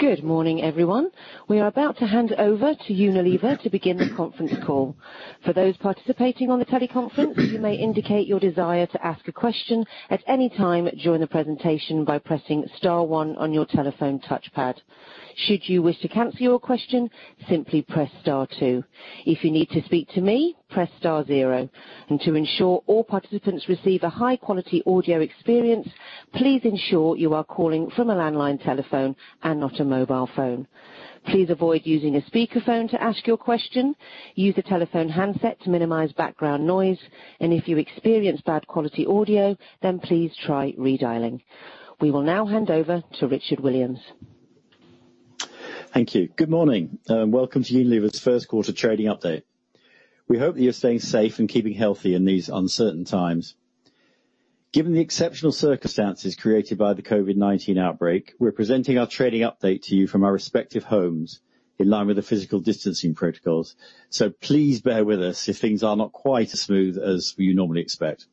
Good morning, everyone. We are about to hand over to Unilever to begin the conference call. For those participating on the teleconference, you may indicate your desire to ask a question at any time during the presentation by pressing star one on your telephone touchpad. Should you wish to cancel your question, simply press star two. If you need to speak to me, press star zero. To ensure all participants receive a high quality audio experience, please ensure you are calling from a landline telephone and not a mobile phone. Please avoid using a speakerphone to ask your question. Use a telephone handset to minimize background noise, and if you experience bad quality audio, then please try redialing. We will now hand over to Richard Williams. Thank you. Good morning, and welcome to Unilever's first quarter trading update. We hope that you're staying safe and keeping healthy in these uncertain times. Given the exceptional circumstances created by the COVID-19 outbreak, we're presenting our trading update to you from our respective homes in line with the physical distancing protocols. Please bear with us if things are not quite as smooth as you normally expect.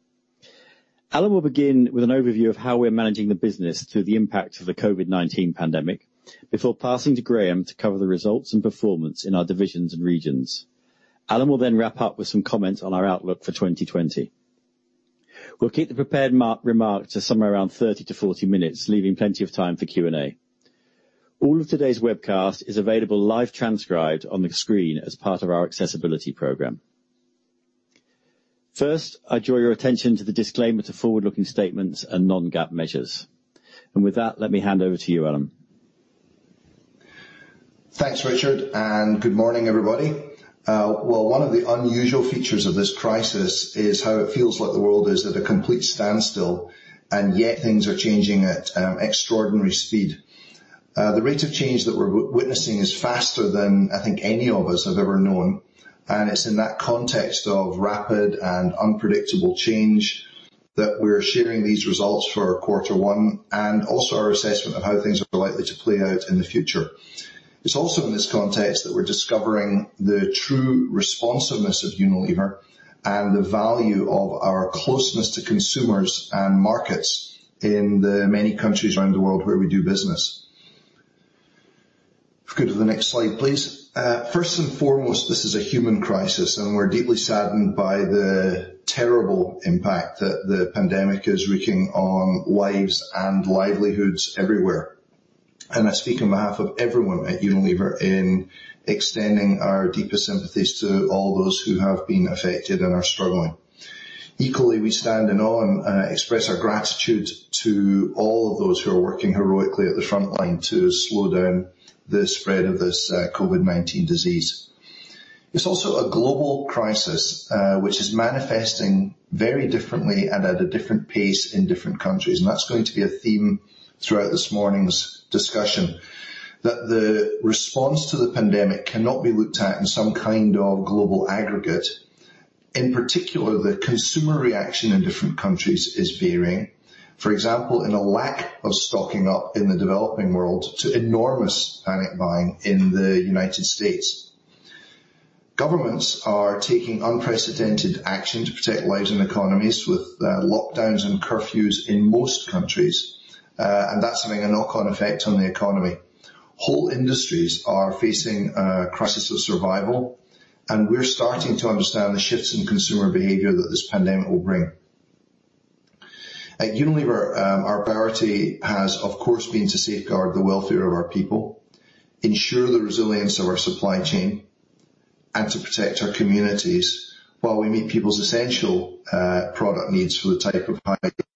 Alan will begin with an overview of how we are managing the business through the impact of the COVID-19 pandemic before passing to Graeme to cover the results and performance in our divisions and regions. Alan will then wrap up with some comments on our outlook for 2020. We'll keep the prepared remarks to somewhere around 30-40 minutes, leaving plenty of time for Q&A. All of today's webcast is available live transcribed on the screen as part of our accessibility program. First, I draw your attention to the disclaimer to forward-looking statements and non-GAAP measures. With that, let me hand over to you, Alan. Thanks, Richard, and good morning, everybody. Well, one of the unusual features of this crisis is how it feels like the world is at a complete standstill, and yet things are changing at extraordinary speed. The rate of change that we're witnessing is faster than I think any of us have ever known. It's in that context of rapid and unpredictable change that we're sharing these results for our quarter one, and also our assessment of how things are likely to play out in the future. It's also in this context that we're discovering the true responsiveness of Unilever and the value of our closeness to consumers and markets in the many countries around the world where we do business. If you could go to the next slide, please. First and foremost, this is a human crisis, and we are deeply saddened by the terrible impact that the pandemic is wreaking on lives and livelihoods everywhere. I speak on behalf of everyone at Unilever in extending our deepest sympathies to all those who have been affected and are struggling. Equally, we stand in awe and express our gratitude to all of those who are working heroically at the frontline to slow down the spread of this COVID-19 disease. It is also a global crisis, which is manifesting very differently and at a different pace in different countries, and that is going to be a theme throughout this morning's discussion, that the response to the pandemic cannot be looked at in some kind of global aggregate. In particular, the consumer reaction in different countries is varying. For example, in a lack of stocking up in the developing world to enormous panic buying in the U.S. Governments are taking unprecedented action to protect lives and economies with lockdowns and curfews in most countries, and that's having a knock-on effect on the economy. Whole industries are facing a crisis of survival, and we're starting to understand the shifts in consumer behavior that this pandemic will bring. At Unilever, our priority has, of course, been to safeguard the welfare of our people, ensure the resilience of our supply chain, and to protect our communities while we meet people's essential product needs for the type of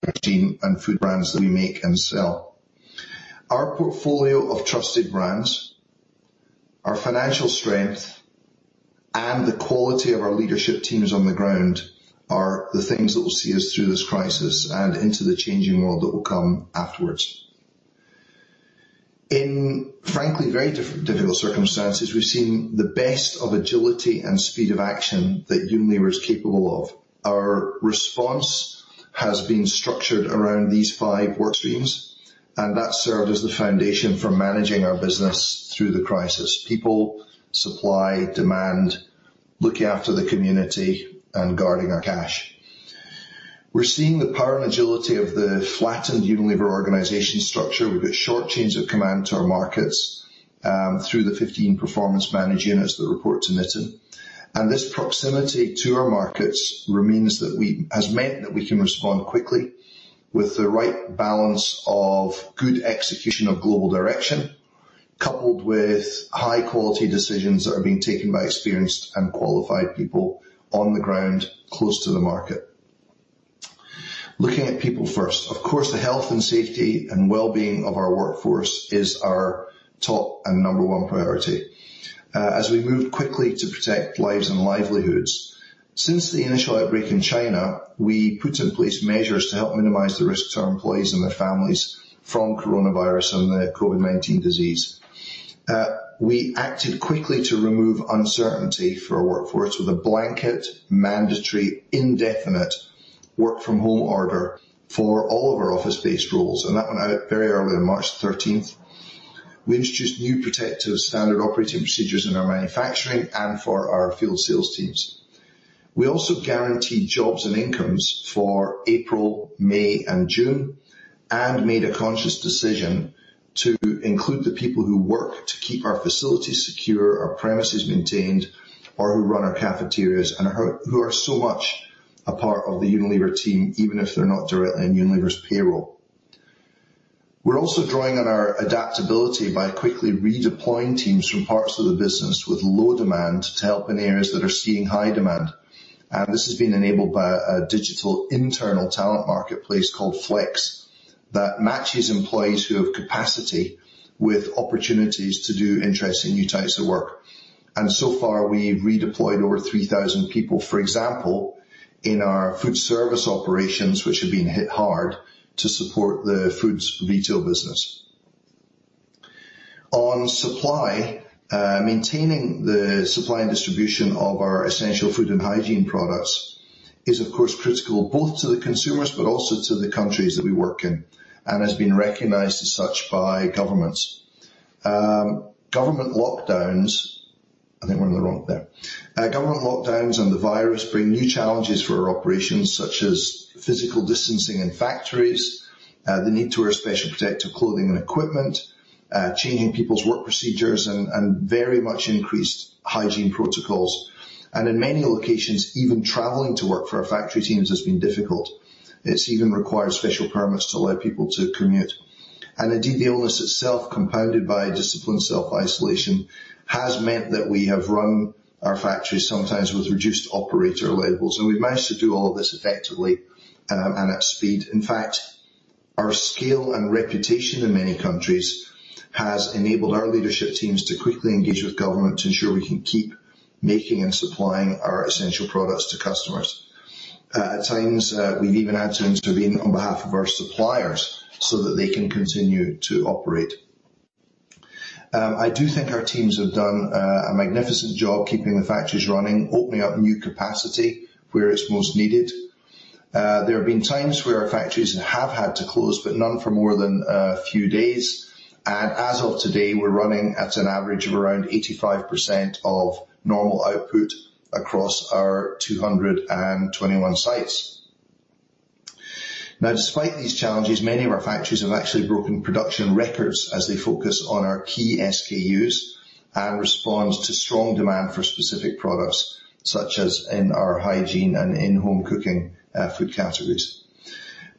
hygiene and food brands that we make and sell. Our portfolio of trusted brands, our financial strength, and the quality of our leadership teams on the ground are the things that will see us through this crisis and into the changing world that will come afterwards. In frankly very difficult circumstances, we've seen the best of agility and speed of action that Unilever is capable of. Our response has been structured around these five work streams, and that served as the foundation for managing our business through the crisis: people, supply, demand, looking after the community, and guarding our cash. We're seeing the power and agility of the flattened Unilever organization structure. We've got short chains of command to our markets, through the 15 performance management units that report to Nitin. This proximity to our markets has meant that we can respond quickly with the right balance of good execution of global direction, coupled with high quality decisions that are being taken by experienced and qualified people on the ground, close to the market. Looking at people first, of course, the health and safety and well-being of our workforce is our top and number one priority. As we moved quickly to protect lives and livelihoods, since the initial outbreak in China, we put in place measures to help minimize the risk to our employees and their families from coronavirus and the COVID-19 disease. We acted quickly to remove uncertainty for our workforce with a blanket, mandatory, indefinite work from home order for all of our office-based roles, that went out very early on March 13th. We introduced new protective standard operating procedures in our manufacturing and for our field sales teams. We also guarantee jobs and incomes for April, May, and June, and made a conscious decision to include the people who work to keep our facilities secure, our premises maintained, or who run our cafeterias and who are so much a part of the Unilever team, even if they're not directly on Unilever's payroll. We're also drawing on our adaptability by quickly redeploying teams from parts of the business with low demand to help in areas that are seeing high demand. This has been enabled by a digital internal talent marketplace called Flex, that matches employees who have capacity with opportunities to do interesting new types of work. So far, we've redeployed over 3,000 people, for example, in our foodservice operations, which have been hit hard to support the foods retail business. On supply, maintaining the supply and distribution of our essential food and hygiene products is, of course, critical both to the consumers but also to the countries that we work in, and has been recognized as such by governments. Government lockdowns and the virus bring new challenges for our operations, such as physical distancing in factories, the need to wear special protective clothing and equipment, changing people's work procedures and very much increased hygiene protocols. In many locations, even traveling to work for our factory teams has been difficult. It's even required special permits to allow people to commute. Indeed, the illness itself, compounded by disciplined self-isolation, has meant that we have run our factories sometimes with reduced operator levels, and we've managed to do all of this effectively and at speed. In fact, our scale and reputation in many countries has enabled our leadership teams to quickly engage with government to ensure we can keep making and supplying our essential products to customers. At times, we've even had to intervene on behalf of our suppliers so that they can continue to operate. I do think our teams have done a magnificent job keeping the factories running, opening up new capacity where it's most needed. There have been times where our factories have had to close, but none for more than a few days. As of today, we're running at an average of around 85% of normal output across our 221 sites. Despite these challenges, many of our factories have actually broken production records as they focus on our key SKUs and respond to strong demand for specific products, such as in our hygiene and in-home cooking food categories.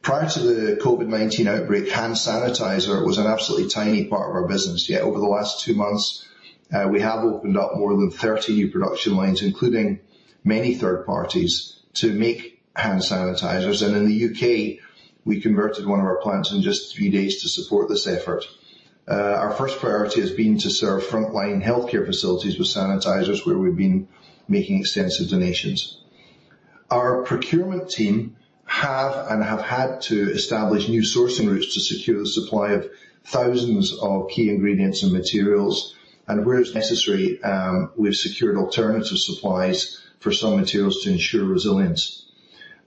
Prior to the COVID-19 outbreak, hand sanitizer was an absolutely tiny part of our business, yet over the last two months, we have opened up more than 30 new production lines, including many third parties, to make hand sanitizers. In the U.K., we converted one of our plants in just three days to support this effort. Our first priority has been to serve frontline healthcare facilities with sanitizers, where we've been making extensive donations. Our procurement team have had to establish new sourcing routes to secure the supply of thousands of key ingredients and materials. Where it's necessary, we've secured alternative supplies for some materials to ensure resilience.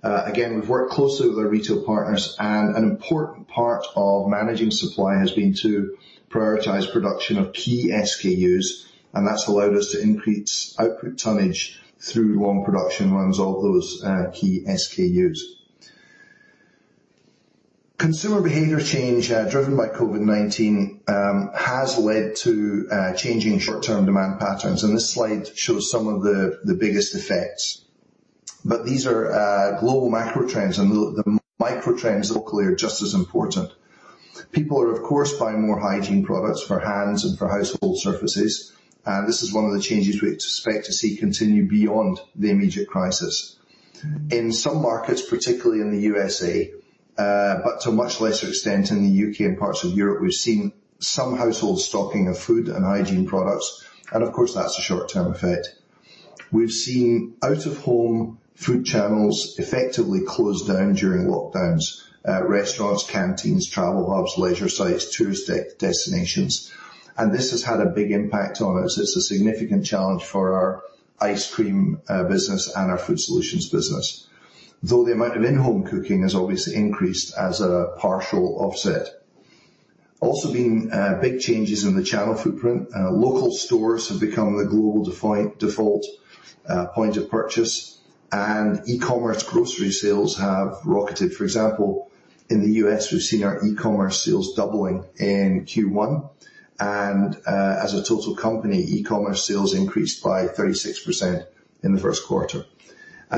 We've worked closely with our retail partners, an important part of managing supply has been to prioritize production of key SKUs, and that's allowed us to increase output tonnage through long production runs of those key SKUs. Consumer behavior change driven by COVID-19 has led to changing short-term demand patterns, and this slide shows some of the biggest effects. These are global macro trends, and the micro trends locally are just as important. People are, of course, buying more hygiene products for hands and for household surfaces. This is one of the changes we expect to see continue beyond the immediate crisis. In some markets, particularly in the U.S.A., but to a much lesser extent in the U.K. and parts of Europe, we've seen some household stocking of food and hygiene products, and of course, that's a short-term effect. We've seen out-of-home food channels effectively close down during lockdowns, restaurants, canteens, travel hubs, leisure sites, tourist destinations. This has had a big impact on us. It's a significant challenge for our ice cream business and our Food Solutions business. Though the amount of in-home cooking has obviously increased as a partial offset. Also been big changes in the channel footprint. Local stores have become the global default point of purchase, and e-commerce grocery sales have rocketed. For example, in the U.S., we've seen our e-commerce sales doubling in Q1, and as a total company, e-commerce sales increased by 36% in the first quarter.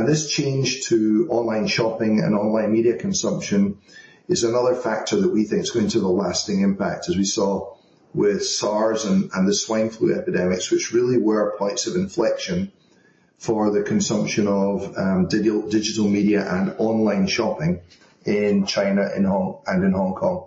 This change to online shopping and online media consumption is another factor that we think is going to have a lasting impact, as we saw with SARS and the swine flu epidemics, which really were points of inflection for the consumption of digital media and online shopping in China and in Hong Kong.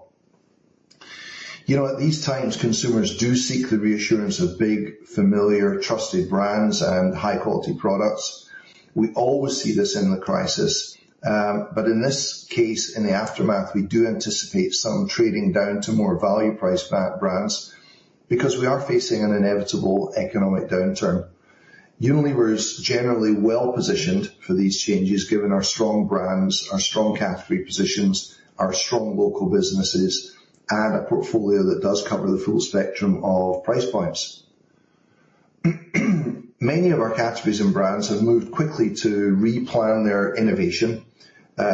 At these times, consumers do seek the reassurance of big, familiar, trusted brands and high-quality products. We always see this in the crisis. In this case, in the aftermath, we do anticipate some trading down to more value-priced brands because we are facing an inevitable economic downturn. Unilever is generally well-positioned for these changes, given our strong brands, our strong category positions, our strong local businesses and a portfolio that does cover the full spectrum of price points. Many of our categories and brands have moved quickly to replan their innovation.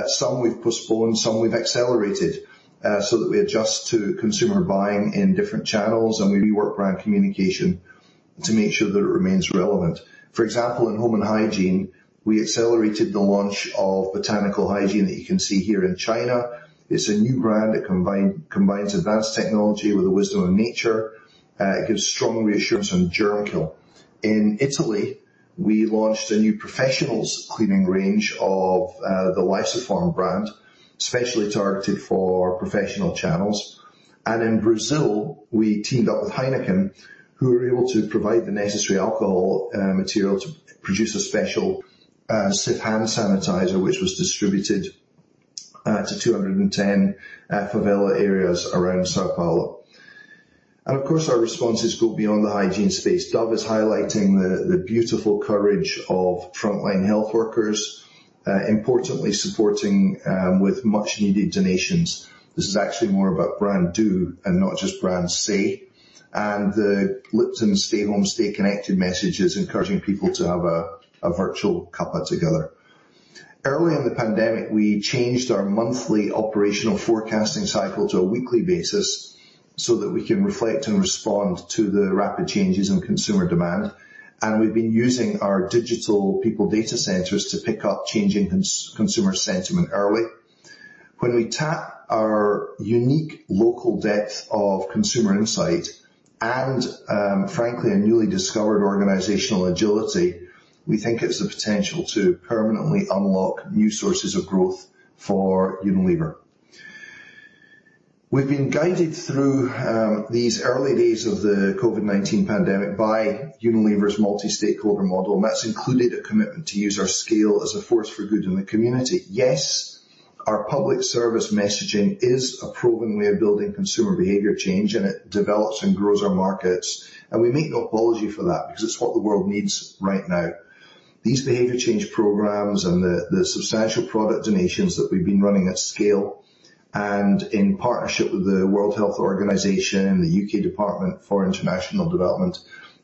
Some we've postponed, some we've accelerated, so that we adjust to consumer buying in different channels, and we rework brand communication to make sure that it remains relevant. For example, in-home and hygiene, we accelerated the launch of Botanical Hygiene that you can see here in China. It's a new brand that combines advanced technology with the wisdom of nature. It gives strong reassurance on germ kill. In Italy, we launched a new professionals cleaning range of the Lysoform brand, specially targeted for professional channels. In Brazil, we teamed up with Heineken, who were able to provide the necessary alcohol material to produce a special Cif hand sanitizer, which was distributed to 210 favela areas around São Paulo. Of course, our responses go beyond the hygiene space. Dove is highlighting the beautiful courage of frontline health workers, importantly supporting with much needed donations. This is actually more about brand do and not just brand say. The Lipton Stay Home, Stay Connected message is encouraging people to have a virtual cuppa together. Early in the pandemic, we changed our monthly operational forecasting cycle to a weekly basis so that we can reflect and respond to the rapid changes in consumer demand. We've been using our digital people data centers to pick up changing consumer sentiment early. When we tap our unique local depth of consumer insight and, frankly, a newly discovered organizational agility, we think it's the potential to permanently unlock new sources of growth for Unilever. We've been guided through these early days of the COVID-19 pandemic by Unilever's multi-stakeholder model, and that's included a commitment to use our scale as a force for good in the community. Our public service messaging is a proven way of building consumer behavior change, and it develops and grows our markets. We make no apology for that, because it's what the world needs right now. These behavior change programs and the substantial product donations that we've been running at scale, and in partnership with the World Health Organization and the U.K. Department for International Development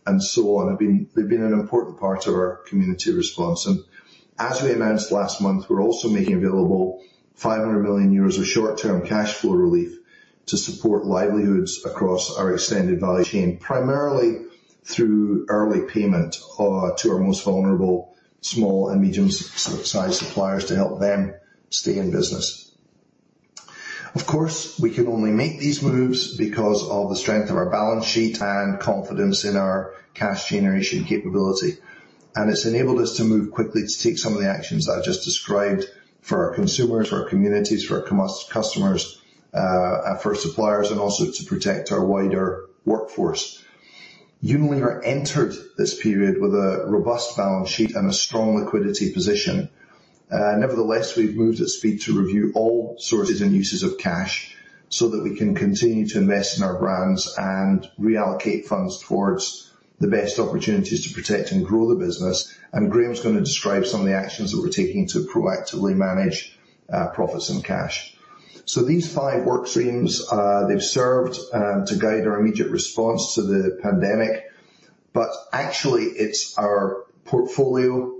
and so on, they've been an important part of our community response. As we announced last month, we're also making available 500 million euros of short-term cash flow relief to support livelihoods across our extended value chain, primarily through early payment to our most vulnerable small and medium-sized suppliers to help them stay in business. Of course, we can only make these moves because of the strength of our balance sheet and confidence in our cash generation capability, and it's enabled us to move quickly to take some of the actions I've just described for our consumers, for our communities, for our customers, for our suppliers, and also to protect our wider workforce. Unilever entered this period with a robust balance sheet and a strong liquidity position. Nevertheless, we've moved at speed to review all sources and uses of cash so that we can continue to invest in our brands and reallocate funds towards the best opportunities to protect and grow the business. Graeme is going to describe some of the actions that we're taking to proactively manage profits and cash. These five work streams, they've served to guide our immediate response to the pandemic, but actually it's our portfolio,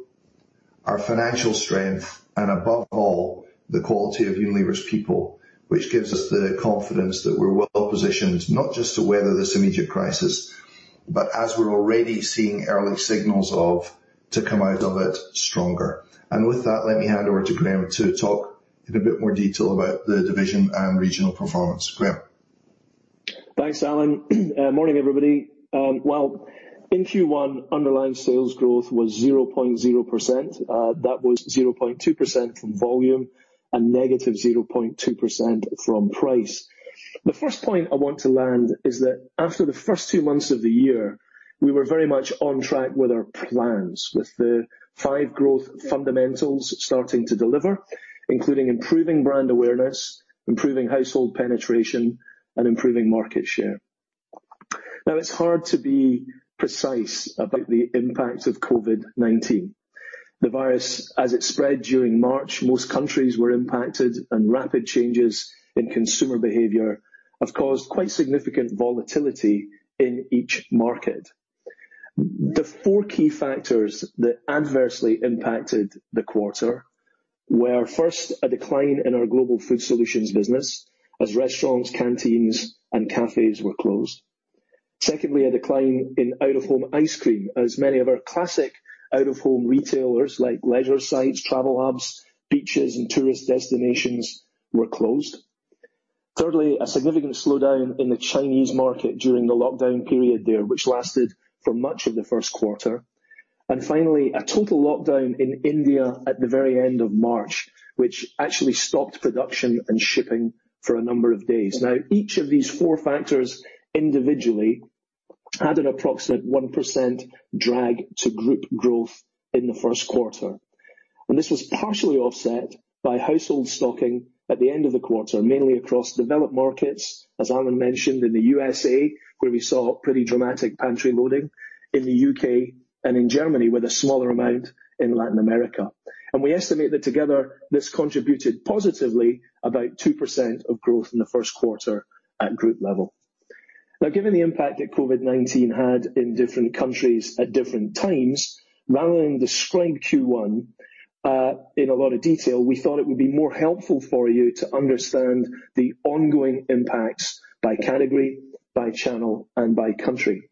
our financial strength, and above all, the quality of Unilever's people, which gives us the confidence that we're well positioned, not just to weather this immediate crisis, but as we're already seeing early signals of, to come out of it stronger. With that, let me hand over to Graeme to talk in a bit more detail about the division and regional performance. Graeme? Thanks, Alan. Morning, everybody. Well, in Q1, underlying sales growth was 0.0%. That was 0.2% from volume and -0.2% from price. The first point I want to land is that after the first two months of the year, we were very much on track with our plans, with the five growth fundamentals starting to deliver, including improving brand awareness, improving household penetration, and improving market share. It's hard to be precise about the impact of COVID-19. The virus, as it spread during March, most countries were impacted and rapid changes in consumer behavior have caused quite significant volatility in each market. The four key factors that adversely impacted the quarter were, first, a decline in our global Food Solutions business as restaurants, canteens, and cafes were closed. Secondly, a decline in out-of-home ice cream as many of our classic out-of-home retailers like leisure sites, travel hubs, beaches, and tourist destinations were closed. Thirdly, a significant slowdown in the Chinese market during the lockdown period there, which lasted for much of the first quarter. Finally, a total lockdown in India at the very end of March, which actually stopped production and shipping for a number of days. Now, each of these four factors individually had an approximate 1% drag to group growth in the first quarter. This was partially offset by household stocking at the end of the quarter, mainly across developed markets, as Alan mentioned, in the U.S.A., where we saw pretty dramatic pantry loading, in the U.K., and in Germany, with a smaller amount in Latin America. We estimate that together, this contributed positively about 2% of growth in the first quarter at group level. Given the impact that COVID-19 had in different countries at different times, rather than describe Q1 in a lot of detail, we thought it would be more helpful for you to understand the ongoing impacts by category, by channel, and by country.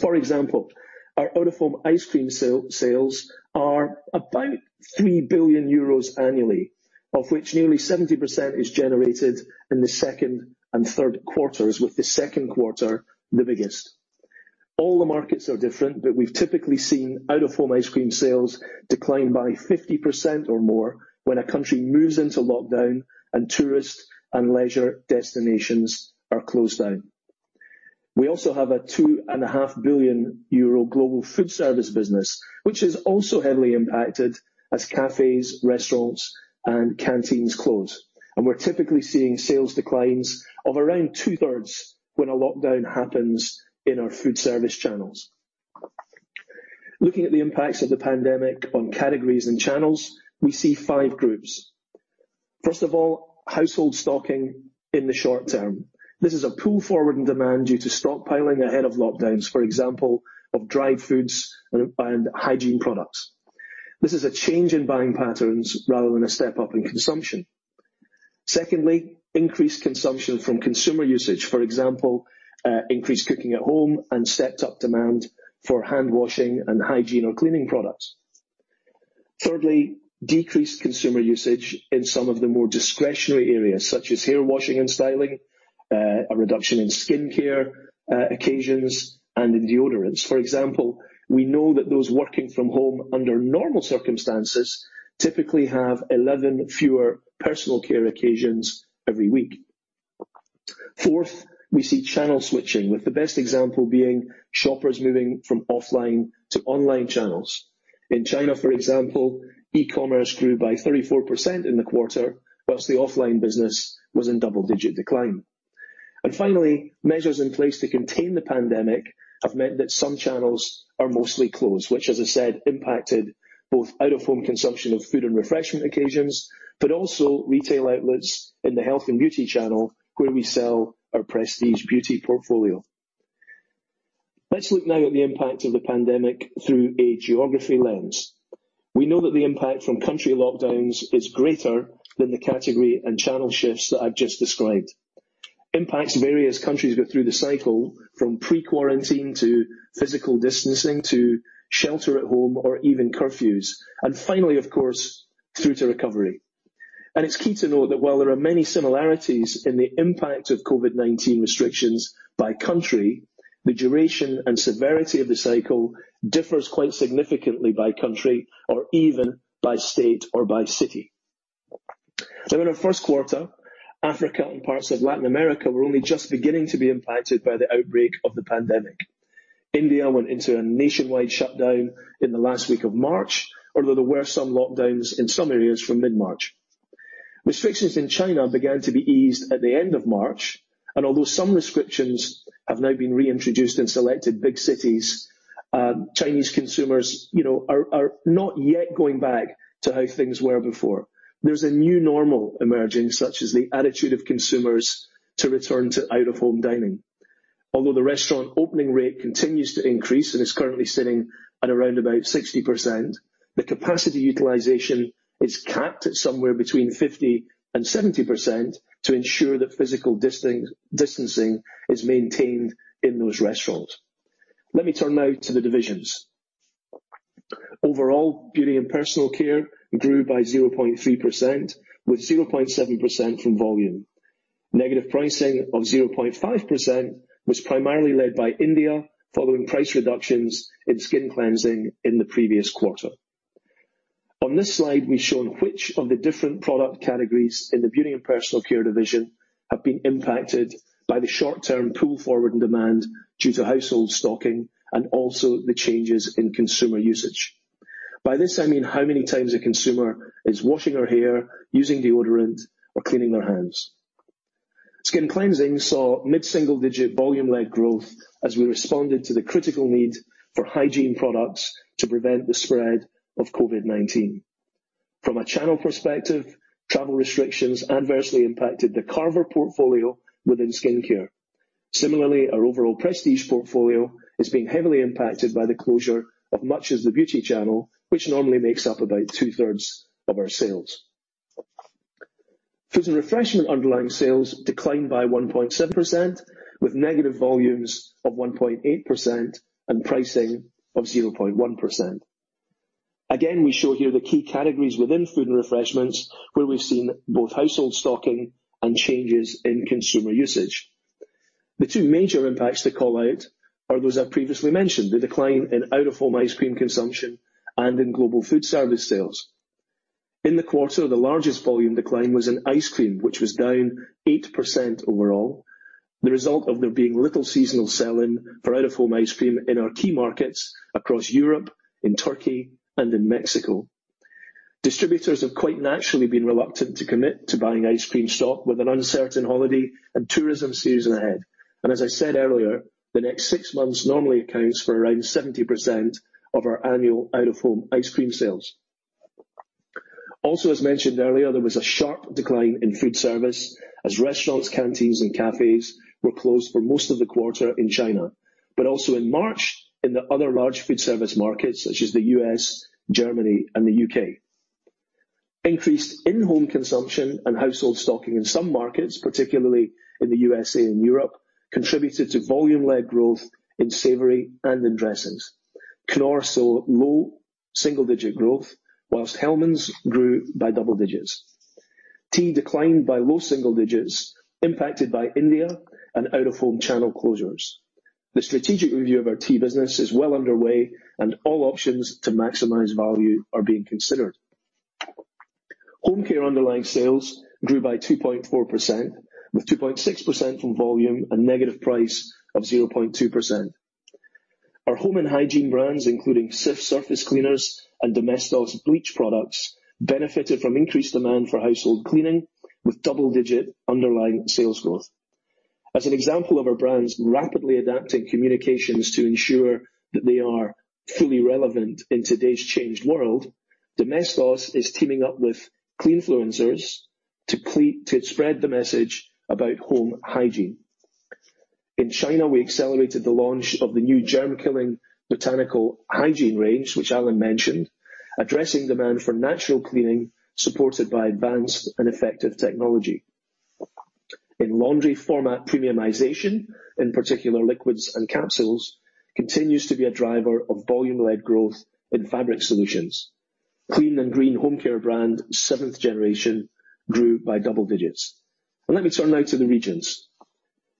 For example, our out-of-home ice cream sales are about 3 billion euros annually, of which nearly 70% is generated in the second and third quarters, with the second quarter the biggest. All the markets are different, we've typically seen out-of-home ice cream sales decline by 50% or more when a country moves into lockdown and tourist and leisure destinations are closed down. We also have a 2.5 billion euro global foodservice business, which is also heavily impacted as cafes, restaurants, and canteens close. We're typically seeing sales declines of around two-thirds when a lockdown happens in our foodservice channels. Looking at the impacts of the pandemic on categories and channels, we see five groups. First of all, household stocking in the short term. This is a pull-forward in demand due to stockpiling ahead of lockdowns, for example, of dried foods and hygiene products. This is a change in buying patterns rather than a step up in consumption. Secondly, increased consumption from consumer usage, for example, increased cooking at home and stepped up demand for hand washing and hygiene or cleaning products. Thirdly, decreased consumer usage in some of the more discretionary areas, such as hair washing and styling, a reduction in skincare, occasions, and in deodorants. For example, we know that those working from home under normal circumstances typically have 11 fewer personal care occasions every week. Fourth, we see channel switching, with the best example being shoppers moving from offline to online channels. In China, for example, e-commerce grew by 34% in the quarter, whilst the offline business was in double-digit decline. Finally, measures in place to contain the pandemic have meant that some channels are mostly closed, which, as I said, impacted both out-of-home consumption of Foods & Refreshment occasions, but also retail outlets in the health and beauty channel where we sell our Prestige Beauty portfolio. Let's look now at the impact of the pandemic through a geography lens. We know that the impact from country lockdowns is greater than the category and channel shifts that I've just described. Impacts vary as countries go through the cycle, from pre-quarantine to physical distancing, to shelter at home or even curfews. Finally, of course, through to recovery. It's key to note that while there are many similarities in the impact of COVID-19 restrictions by country, the duration and severity of the cycle differs quite significantly by country or even by state or by city. In our first quarter, Africa and parts of Latin America were only just beginning to be impacted by the outbreak of the pandemic. India went into a nationwide shutdown in the last week of March, although there were some lockdowns in some areas from mid-March. Restrictions in China began to be eased at the end of March, although some restrictions have now been reintroduced in selected big cities, Chinese consumers are not yet going back to how things were before. There's a new normal emerging, such as the attitude of consumers to return to out-of-home dining. The restaurant opening rate continues to increase and is currently sitting at around about 60%, the capacity utilization is capped at somewhere between 50%-70% to ensure that physical distancing is maintained in those restaurants. Let me turn now to the divisions. Overall, Beauty & Personal Care grew by 0.3%, with 0.7% from volume. Negative pricing of 0.5% was primarily led by India following price reductions in skin cleansing in the previous quarter. On this slide, we've shown which of the different product categories in the Beauty & Personal Care division have been impacted by the short term pull-forward in demand due to household stocking and also the changes in consumer usage. By this I mean how many times a consumer is washing her hair, using deodorant, or cleaning their hands. Skin cleansing saw mid-single digit volume-led growth as we responded to the critical need for hygiene products to prevent the spread of COVID-19. From a channel perspective, travel restrictions adversely impacted the Carver Korea portfolio within skincare. Similarly, our overall Prestige portfolio is being heavily impacted by the closure of much of the beauty channel, which normally makes up about two-thirds of our sales. Food and refreshment underlying sales declined by 1.7%, with negative volumes of 1.8% and pricing of 0.1%. Again, we show here the key categories within Foods & Refreshment where we've seen both household stocking and changes in consumer usage. The two major impacts to call out are those I previously mentioned, the decline in out-of-home ice cream consumption and in global foodservice sales. In the quarter, the largest volume decline was in ice cream, which was down 8% overall, the result of there being little seasonal selling for out-of-home ice cream in our key markets across Europe, in Turkey, and in Mexico. Distributors have quite naturally been reluctant to commit to buying ice cream stock with an uncertain holiday and tourism season ahead. As I said earlier, the next six months normally accounts for around 70% of our annual out-of-home ice cream sales. As mentioned earlier, there was a sharp decline in foodservice as restaurants, canteens, and cafes were closed for most of the quarter in China, but also in March in the other large foodservice markets such as the U.S., Germany, and the U.K. Increased in-home consumption and household stocking in some markets, particularly in the USA and Europe, contributed to volume-led growth in savory and in dressings. Knorr saw low double digit growth, while Hellmann's grew by double digits. Tea declined by low-single-digits impacted by India and out-of-home channel closures. The strategic review of our tea business is well underway and all options to maximize value are being considered. Home Care underlying sales grew by 2.4%, with 2.6% from volume and negative price of 0.2%. Our home and hygiene brands, including Cif surface cleaners and Domestos bleach products, benefited from increased demand for household cleaning with double-digit underlying sales growth. As an example of our brands rapidly adapting communications to ensure that they are fully relevant in today's changed world, Domestos is teaming up with cleanfluencers to spread the message about home hygiene. In China, we accelerated the launch of the new germ killing Botanical Hygiene range, which Alan mentioned, addressing demand for natural cleaning, supported by advanced and effective technology. In laundry format premiumization, in particular, liquids and capsules, continues to be a driver of volume led growth in fabric solutions. Clean and green home care brand, Seventh Generation, grew by double digits. Let me turn now to the regions.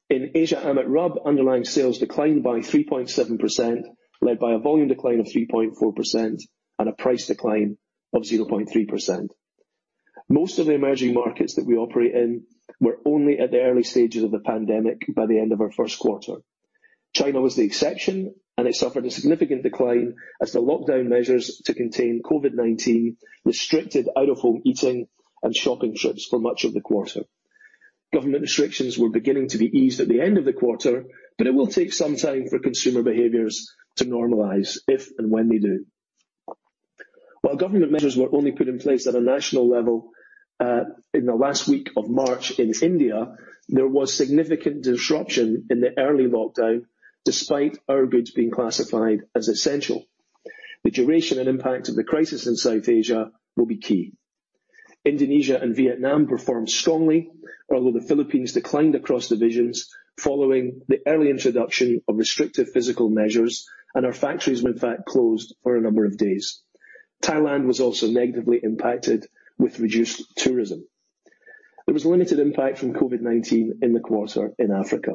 In Asia, AMET/RUB, underlying sales declined by 3.7%, led by a volume decline of 3.4% and a price decline of 0.3%. Most of the emerging markets that we operate in were only at the early stages of the pandemic by the end of our first quarter. China was the exception, and it suffered a significant decline as the lockdown measures to contain COVID-19 restricted out-of-home eating and shopping trips for much of the quarter. Government restrictions were beginning to be eased at the end of the quarter, but it will take some time for consumer behaviors to normalize, if and when they do. While government measures were only put in place at a national level, in the last week of March in India, there was significant disruption in the early lockdown despite our goods being classified as essential. The duration and impact of the crisis in South Asia will be key. Indonesia and Vietnam performed strongly, although the Philippines declined across divisions following the early introduction of restrictive physical measures, and our factories were in fact closed for a number of days. Thailand was also negatively impacted with reduced tourism. There was limited impact from COVID-19 in the quarter in Africa.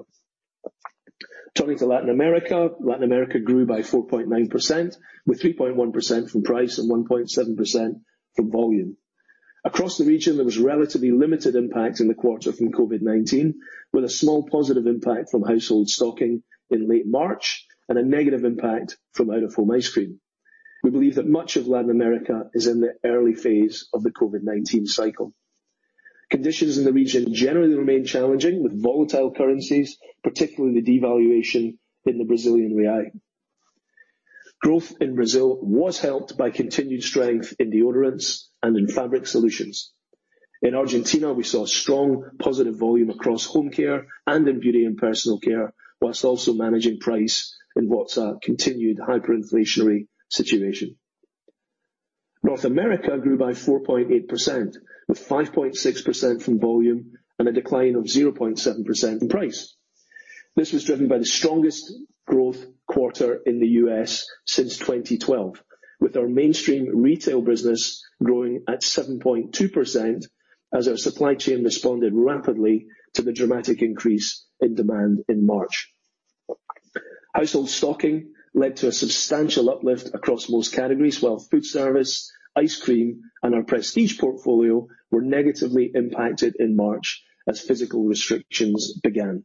Turning to Latin America. Latin America grew by 4.9%, with 3.1% from price and 1.7% from volume. Across the region, there was relatively limited impact in the quarter from COVID-19, with a small positive impact from household stocking in late March and a negative impact from out-of-home ice cream. We believe that much of Latin America is in the early phase of the COVID-19 cycle. Conditions in the region generally remain challenging with volatile currencies, particularly the devaluation in the Brazilian real. Growth in Brazil was helped by continued strength in deodorants and in fabric solutions. In Argentina, we saw strong positive volume across Home Care and in Beauty & Personal Care, whilst also managing price in what's a continued hyperinflationary situation. North America grew by 4.8%, with 5.6% from volume and a decline of 0.7% in price. This was driven by the strongest growth quarter in the U.S. since 2012, with our mainstream retail business growing at 7.2% as our supply chain responded rapidly to the dramatic increase in demand in March. Household stocking led to a substantial uplift across most categories, while foodservice, ice cream, and our Prestige portfolio were negatively impacted in March as physical restrictions began.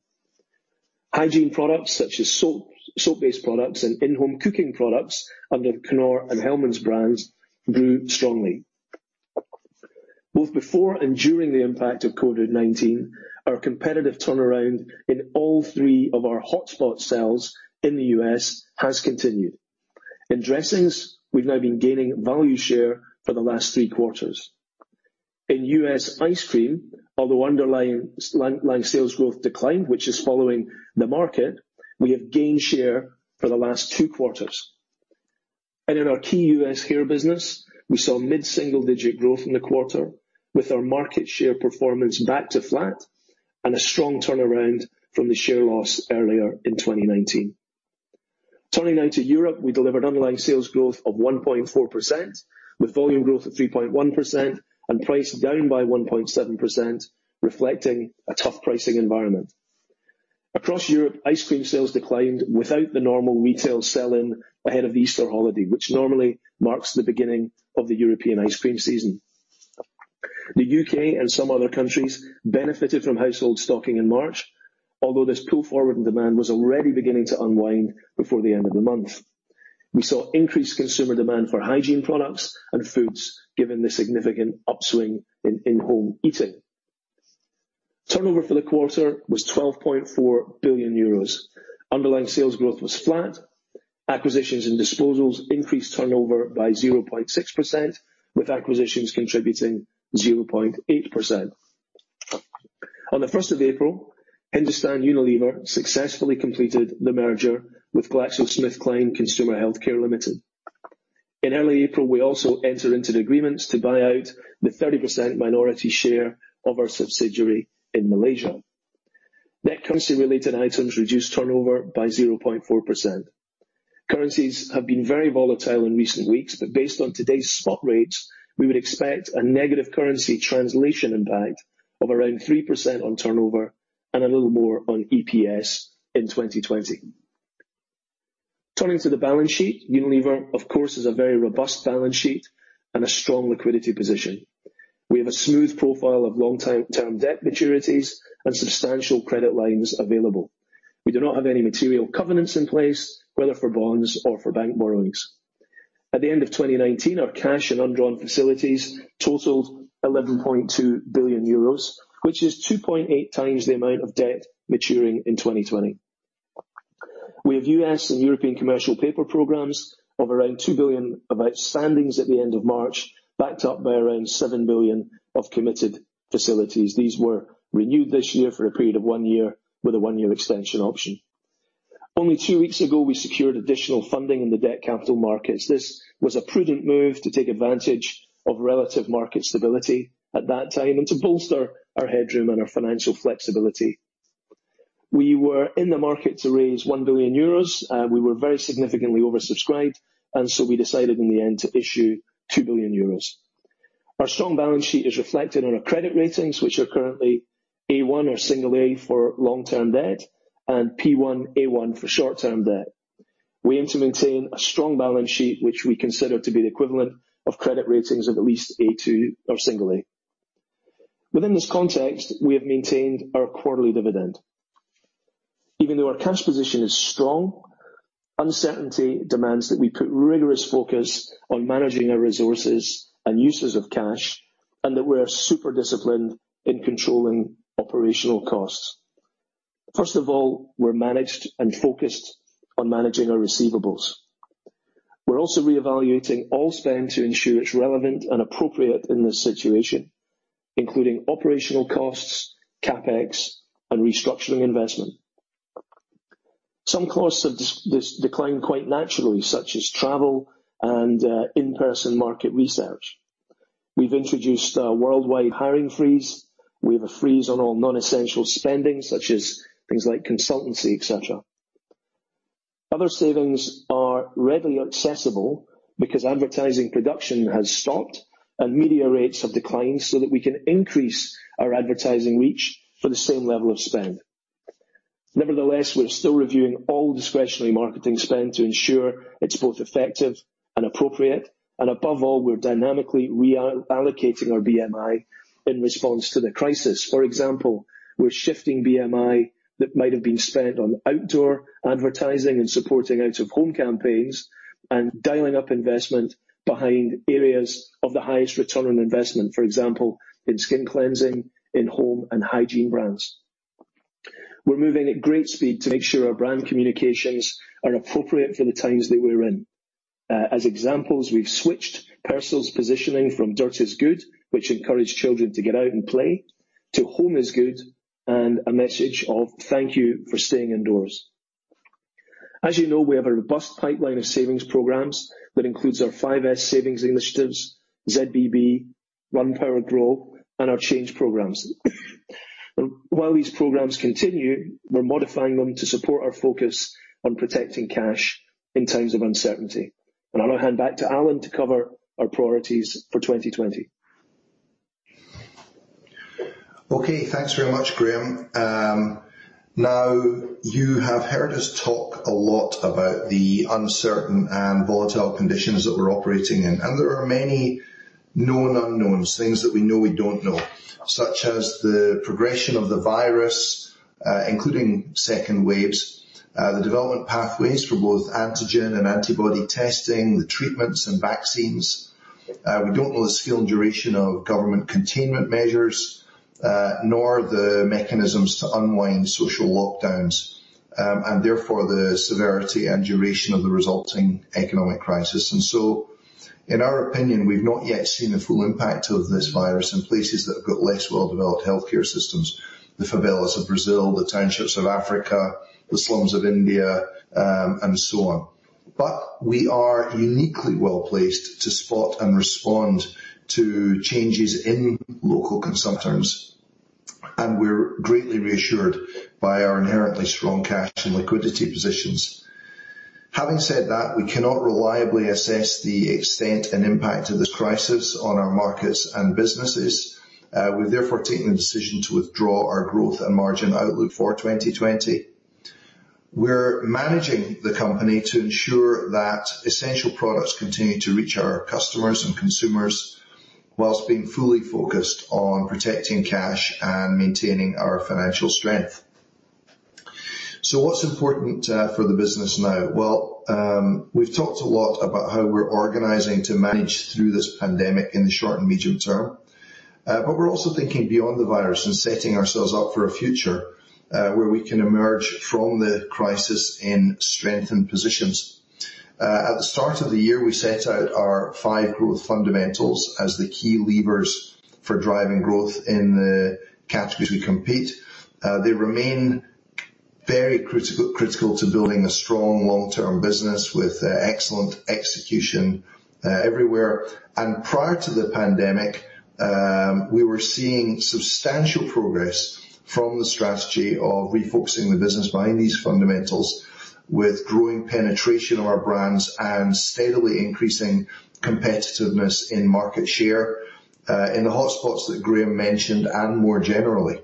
Hygiene products such as soap-based products and in-home cooking products under Knorr and Hellmann's brands grew strongly. Both before and during the impact of COVID-19, our competitive turnaround in all three of our hotspot cells in the U.S. has continued. In dressings, we've now been gaining value share for the last three quarters. In U.S. ice cream, although underlying sales growth declined, which is following the market, we have gained share for the last two quarters. In our key U.S. hair business, we saw mid-single digit growth in the quarter with our market share performance back to flat and a strong turnaround from the share loss earlier in 2019. Turning now to Europe, we delivered underlying sales growth of 1.4%, with volume growth of 3.1% and price down by 1.7%, reflecting a tough pricing environment. Across Europe, ice cream sales declined without the normal retail sell-in ahead of the Easter holiday, which normally marks the beginning of the European ice cream season. The U.K. and some other countries benefited from household stocking in March, although this pull-forward in demand was already beginning to unwind before the end of the month. We saw increased consumer demand for hygiene products and foods, given the significant upswing in in-home eating. Turnover for the quarter was 12.4 billion euros. Underlying sales growth was flat. Acquisitions and disposals increased turnover by 0.6%, with acquisitions contributing 0.8%. On the 1st of April, Hindustan Unilever successfully completed the merger with GlaxoSmithKline Consumer Healthcare Limited. In early April, we also entered into agreements to buy out the 30% minority share of our subsidiary in Malaysia. Net currency related items reduced turnover by 0.4%. Currencies have been very volatile in recent weeks, but based on today's spot rates, we would expect a negative currency translation impact of around 3% on turnover and a little more on EPS in 2020. Turning to the balance sheet, Unilever, of course, has a very robust balance sheet and a strong liquidity position. We have a smooth profile of long-term debt maturities and substantial credit lines available. We do not have any material covenants in place, whether for bonds or for bank borrowings. At the end of 2019, our cash and undrawn facilities totaled 11.2 billion euros, which is 2.8x the amount of debt maturing in 2020. We have U.S. and European commercial paper programs of around 2 billion of outstandings at the end of March, backed up by around 7 billion of committed facilities. These were renewed this year for a period of one year with a one-year extension option. Only two weeks ago, we secured additional funding in the debt capital markets. This was a prudent move to take advantage of relative market stability at that time and to bolster our headroom and our financial flexibility. We were in the market to raise 1 billion euros. We were very significantly oversubscribed, we decided in the end to issue 2 billion euros. Our strong balance sheet is reflected in our credit ratings, which are currently A1 or single A for long-term debt and P-1/A1 for short-term debt. We aim to maintain a strong balance sheet, which we consider to be the equivalent of credit ratings of at least A2 or A. Within this context, we have maintained our quarterly dividend. Even though our cash position is strong, uncertainty demands that we put rigorous focus on managing our resources and uses of cash, and that we are super disciplined in controlling operational costs. First of all, we're managed and focused on managing our receivables. We're also reevaluating all spend to ensure it's relevant and appropriate in this situation, including operational costs, CapEx, and restructuring investment. Some costs have declined quite naturally, such as travel and in-person market research. We've introduced a worldwide hiring freeze. We have a freeze on all non-essential spending, such as things like consultancy, et cetera. Other savings are readily accessible because advertising production has stopped and media rates have declined so that we can increase our advertising reach for the same level of spend. Nevertheless, we're still reviewing all discretionary marketing spend to ensure it's both effective and appropriate, and above all, we're dynamically reallocating our BMI in response to the crisis. For example, we're shifting BMI that might have been spent on outdoor advertising and supporting out-of-home campaigns and dialing up investment behind areas of the highest return on investment, for example, in skin cleansing, in-home and hygiene brands. We're moving at great speed to make sure our brand communications are appropriate for the times that we're in. As examples, we've switched Persil's positioning from Dirt Is Good, which encouraged children to get out and play, to Home Is Good, and a message of thank you for staying indoors. As you know, we have a robust pipeline of savings programs that includes our 5S savings initiatives, ZBB, One Power Grow, and our change programs. While these programs continue, we're modifying them to support our focus on protecting cash in times of uncertainty. I now hand back to Alan to cover our priorities for 2020. Okay, thanks very much, Graeme. You have heard us talk a lot about the uncertain and volatile conditions that we're operating in, and there are many known unknowns, things that we know we don't know, such as the progression of the virus, including second waves, the development pathways for both antigen and antibody testing, the treatments and vaccines. We don't know the scale and duration of government containment measures, nor the mechanisms to unwind social lockdowns, and therefore the severity and duration of the resulting economic crisis. In our opinion, we've not yet seen the full impact of this virus in places that have got less well-developed healthcare systems, the favelas of Brazil, the townships of Africa, the slums of India, and so on. We are uniquely well-placed to spot and respond to changes in local consumer terms, and we're greatly reassured by our inherently strong cash and liquidity positions. Having said that, we cannot reliably assess the extent and impact of this crisis on our markets and businesses. We've therefore taken the decision to withdraw our growth and margin outlook for 2020. We're managing the company to ensure that essential products continue to reach our customers and consumers while being fully focused on protecting cash and maintaining our financial strength. What's important for the business now? Well, we've talked a lot about how we're organizing to manage through this pandemic in the short and medium term, but we're also thinking beyond the virus and setting ourselves up for a future where we can emerge from the crisis in strengthened positions. At the start of the year, we set out our five growth fundamentals as the key levers for driving growth in the categories we compete. They remain very critical to building a strong long-term business with excellent execution everywhere. Prior to the pandemic, we were seeing substantial progress from the strategy of refocusing the business behind these fundamentals with growing penetration of our brands and steadily increasing competitiveness in market share, in the hot spots that Graeme mentioned, and more generally.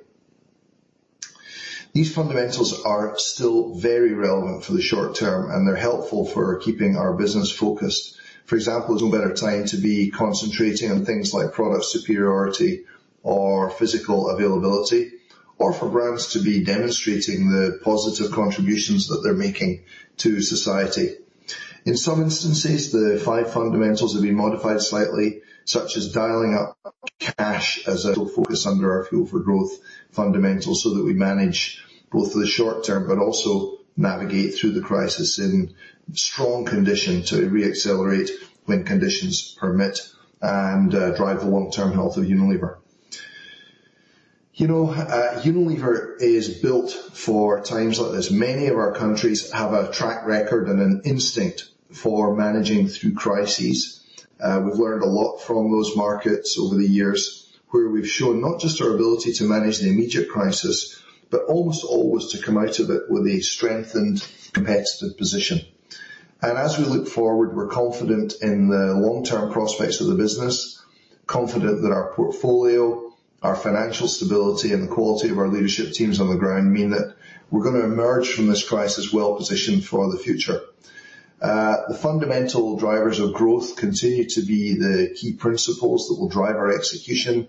These fundamentals are still very relevant for the short term, and they're helpful for keeping our business focused. For example, there's no better time to be concentrating on things like product superiority or physical availability, or for brands to be demonstrating the positive contributions that they're making to society. In some instances, the five fundamentals have been modified slightly, such as dialing up cash as a focus under our fuel for growth fundamentals so that we manage both the short term, but also navigate through the crisis in strong condition to re-accelerate when conditions permit and drive the long-term health of Unilever. Unilever is built for times like this. Many of our countries have a track record and an instinct for managing through crises. We've learned a lot from those markets over the years, where we've shown not just our ability to manage the immediate crisis, but almost always to come out of it with a strengthened competitive position. As we look forward, we're confident in the long-term prospects of the business, confident that our portfolio, our financial stability, and the quality of our leadership teams on the ground mean that we're going to emerge from this crisis well-positioned for the future. The fundamental drivers of growth continue to be the key principles that will drive our execution,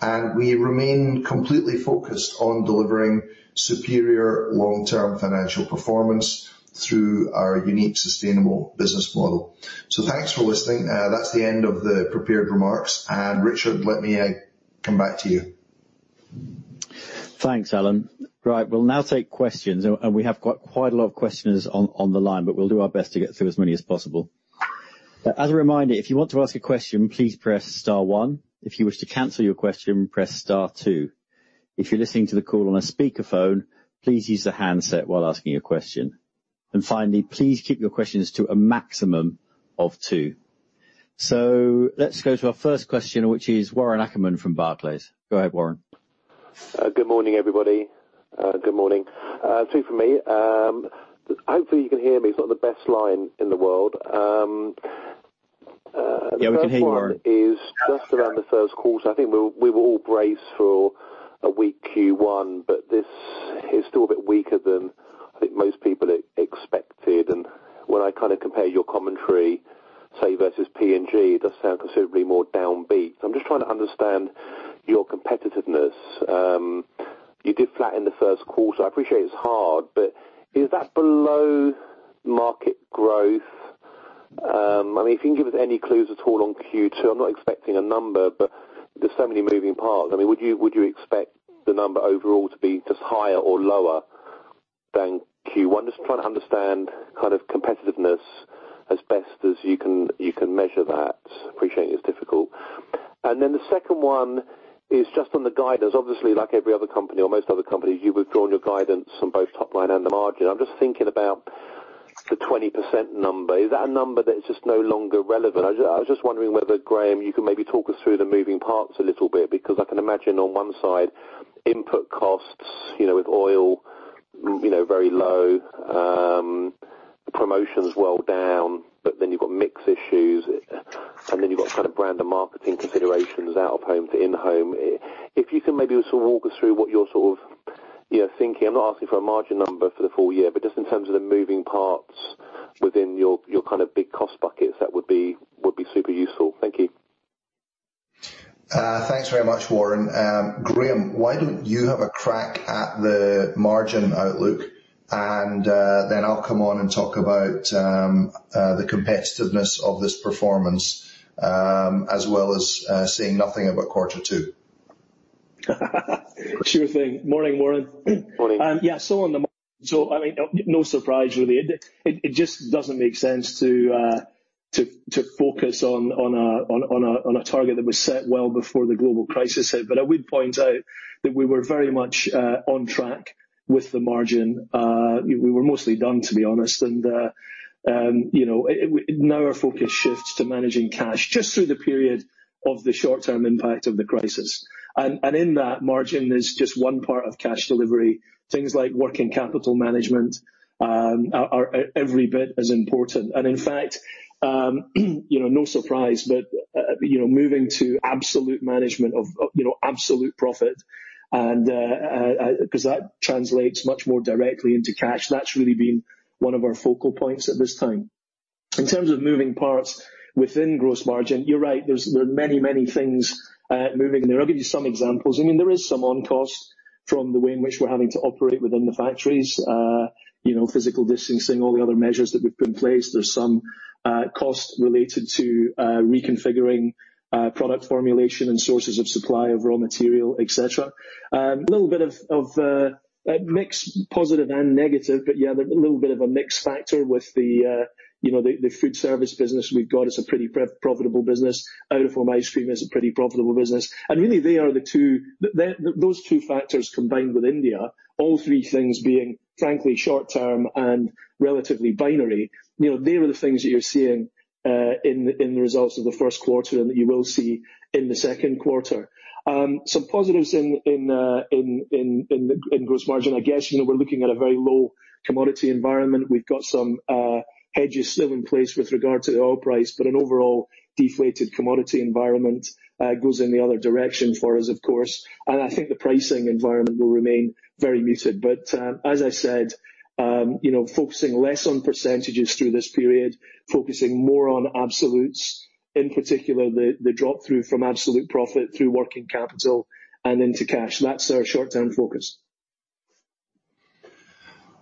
and we remain completely focused on delivering superior long-term financial performance through our unique sustainable business model. Thanks for listening. That's the end of the prepared remarks. Richard, let me come back to you. Thanks, Alan. Right, we'll now take questions, and we have got quite a lot of questioners on the line, but we'll do our best to get through as many as possible. As a reminder, if you want to ask a question, please press star one. If you wish to cancel your question, press star two. If you're listening to the call on a speakerphone, please use the handset while asking your question. Finally, please keep your questions to a maximum of two. Let's go to our first question, which is Warren Ackerman from Barclays. Go ahead, Warren. Good morning, everybody. Good morning. Two from me. Hopefully, you can hear me. It's not the best line in the world. Yeah, we can hear you, Warren. The first one is just around the first quarter. I think we were all braced for a weak Q1, but this is still a bit weaker than I think most people expected. When I compare your commentary, say versus P&G, it does sound considerably more downbeat. I'm just trying to understand your competitiveness. You did flatten the first quarter. I appreciate it's hard, but is that below market growth? If you can give us any clues at all on Q2, I'm not expecting a number, but there's so many moving parts. Would you expect the number overall to be just higher or lower than Q1? Just trying to understand kind of competitiveness as best as you can measure that. Appreciating it's difficult. Then the second one is just on the guidance. Like every other company or most other companies, you've withdrawn your guidance on both top line and the margin. I'm just thinking about the 20% number. Is that a number that is just no longer relevant? I was just wondering whether, Graeme, you can maybe talk us through the moving parts a little bit, because I can imagine on one side, input costs with oil very low, promotions well down, but then you've got mix issues, and then you've got brand and marketing considerations, out of home to in home. If you can maybe sort of walk us through what you're thinking. I'm not asking for a margin number for the full year, but just in terms of the moving parts within your kind of big cost buckets, that would be super useful. Thank you. Thanks very much, Warren. Graeme, why don't you have a crack at the margin outlook, and then I'll come on and talk about the competitiveness of this performance, as well as saying nothing about quarter two. Sure thing. Morning, Warren. Morning. On the margin, no surprise really. It just doesn't make sense to focus on a target that was set well before the global crisis hit. I would point out that we were very much on track with the margin. We were mostly done, to be honest. Now our focus shifts to managing cash just through the period of the short-term impact of the crisis. In that margin, there's just one part of cash delivery. Things like working capital management are every bit as important. In fact, no surprise, but moving to absolute management of absolute profit, because that translates much more directly into cash, that's really been one of our focal points at this time. In terms of moving parts within gross margin, you're right, there are many, many things moving there. I'll give you some examples. There is some on-cost from the way in which we're having to operate within the factories. Physical distancing, all the other measures that we've put in place. There's some cost related to reconfiguring product formulation and sources of supply of raw material, et cetera. A little bit of a mixed positive and negative. Yeah, a little bit of a mix factor with the foodservice business we've got is a pretty profitable business. out-of-home ice cream is a pretty profitable business. Really, those two factors combined with India, all three things being frankly short-term and relatively binary. They are the things that you're seeing in the results of the first quarter, and that you will see in the second quarter. Some positives in gross margin, I guess, we're looking at a very low commodity environment. We've got some hedges still in place with regard to the oil price, but an overall deflated commodity environment goes in the other direction for us, of course. I think the pricing environment will remain very muted. As I said, focusing less on percentages through this period, focusing more on absolutes, in particular, the drop-through from absolute profit through working capital and into cash. That's our short-term focus.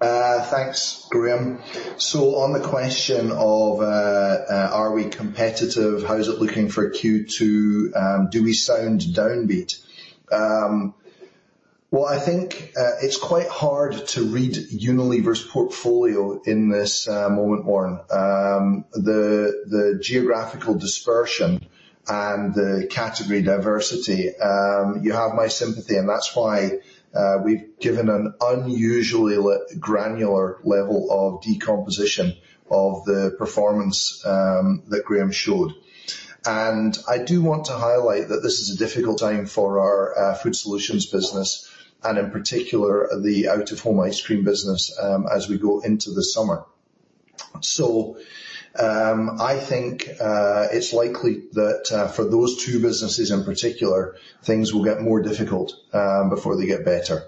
Thanks, Graeme. On the question of are we competitive, how is it looking for Q2, do we sound downbeat? Well, I think it's quite hard to read Unilever's portfolio in this moment, Warren. The geographical dispersion and the category diversity, you have my sympathy, and that's why we've given an unusually granular level of decomposition of the performance that Graeme showed. I do want to highlight that this is a difficult time for our Food Solutions business and, in particular, the out-of-home ice cream business as we go into the summer. I think it's likely that for those two businesses in particular, things will get more difficult before they get better.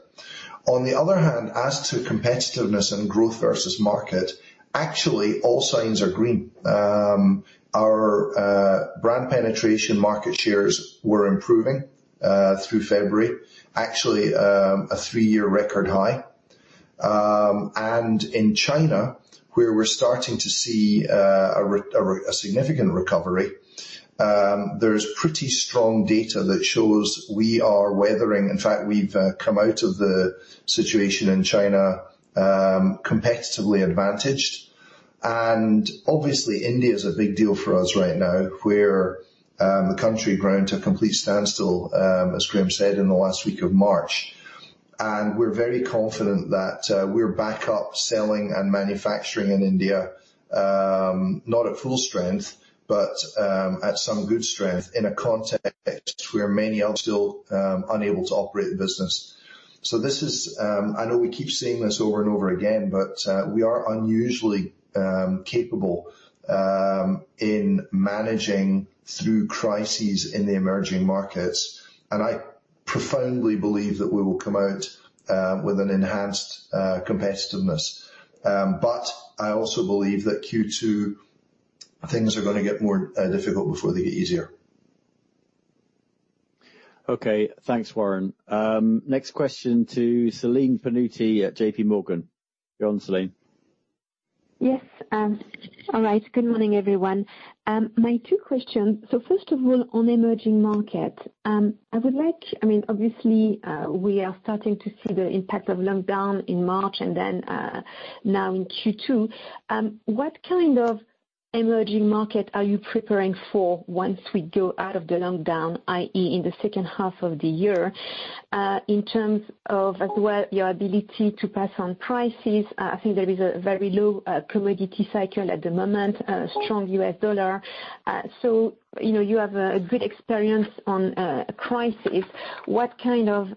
On the other hand, as to competitiveness and growth versus market, actually all signs are green. Our brand penetration market shares were improving through February, actually, a three-year record high. In China, where we're starting to see a significant recovery, there is pretty strong data that shows we are weathering. In fact, we've come out of the situation in China competitively advantaged. Obviously India is a big deal for us right now, where the country ground to a complete standstill as Graeme said in the last week of March. We're very confident that we're back up selling and manufacturing in India, not at full strength, but at some good strength in a context where many are still unable to operate the business. I know we keep saying this over and over again, but we are unusually capable in managing through crises in the emerging markets, and I profoundly believe that we will come out with an enhanced competitiveness. I also believe that Q2 things are going to get more difficult before they get easier. Okay, thanks, Warren. Next question to Celine Pannuti at JPMorgan. Go on, Celine. Yes. All right. Good morning, everyone. My two questions. First of all, on emerging markets, obviously we are starting to see the impact of lockdown in March and then now in Q2. What kind of emerging market are you preparing for once we go out of the lockdown, i.e., in the second half of the year? In terms of as well your ability to pass on prices, I think there is a very low commodity cycle at the moment, a strong U.S. dollar. You have a good experience on a crisis. What kind of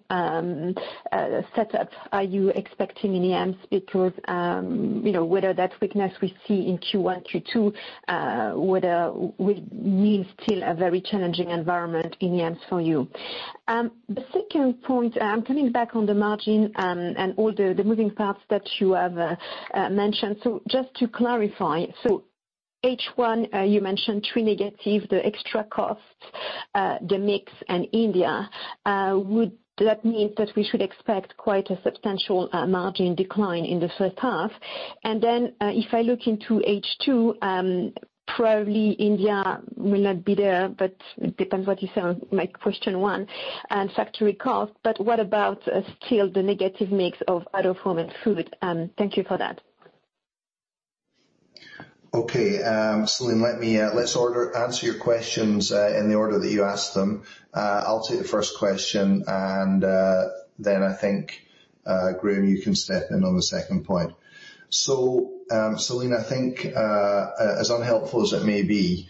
setup are you expecting in EMs because whether that weakness we see in Q1, Q2, would mean still a very challenging environment in EMs for you? The second point, coming back on the margin and all the moving parts that you have mentioned. Just to clarify, so H1 you mentioned three negatives, the extra costs, the mix and India. Would that mean that we should expect quite a substantial margin decline in the first half? Then if I look into H2, probably India will not be there, but it depends what you say on my question one and factory cost, but what about still the negative mix of out of home and food? Thank you for that. Celine, let's answer your questions in the order that you asked them. I'll take the first question and then I think, Graeme, you can step in on the second point. Celine, I think as unhelpful as it may be,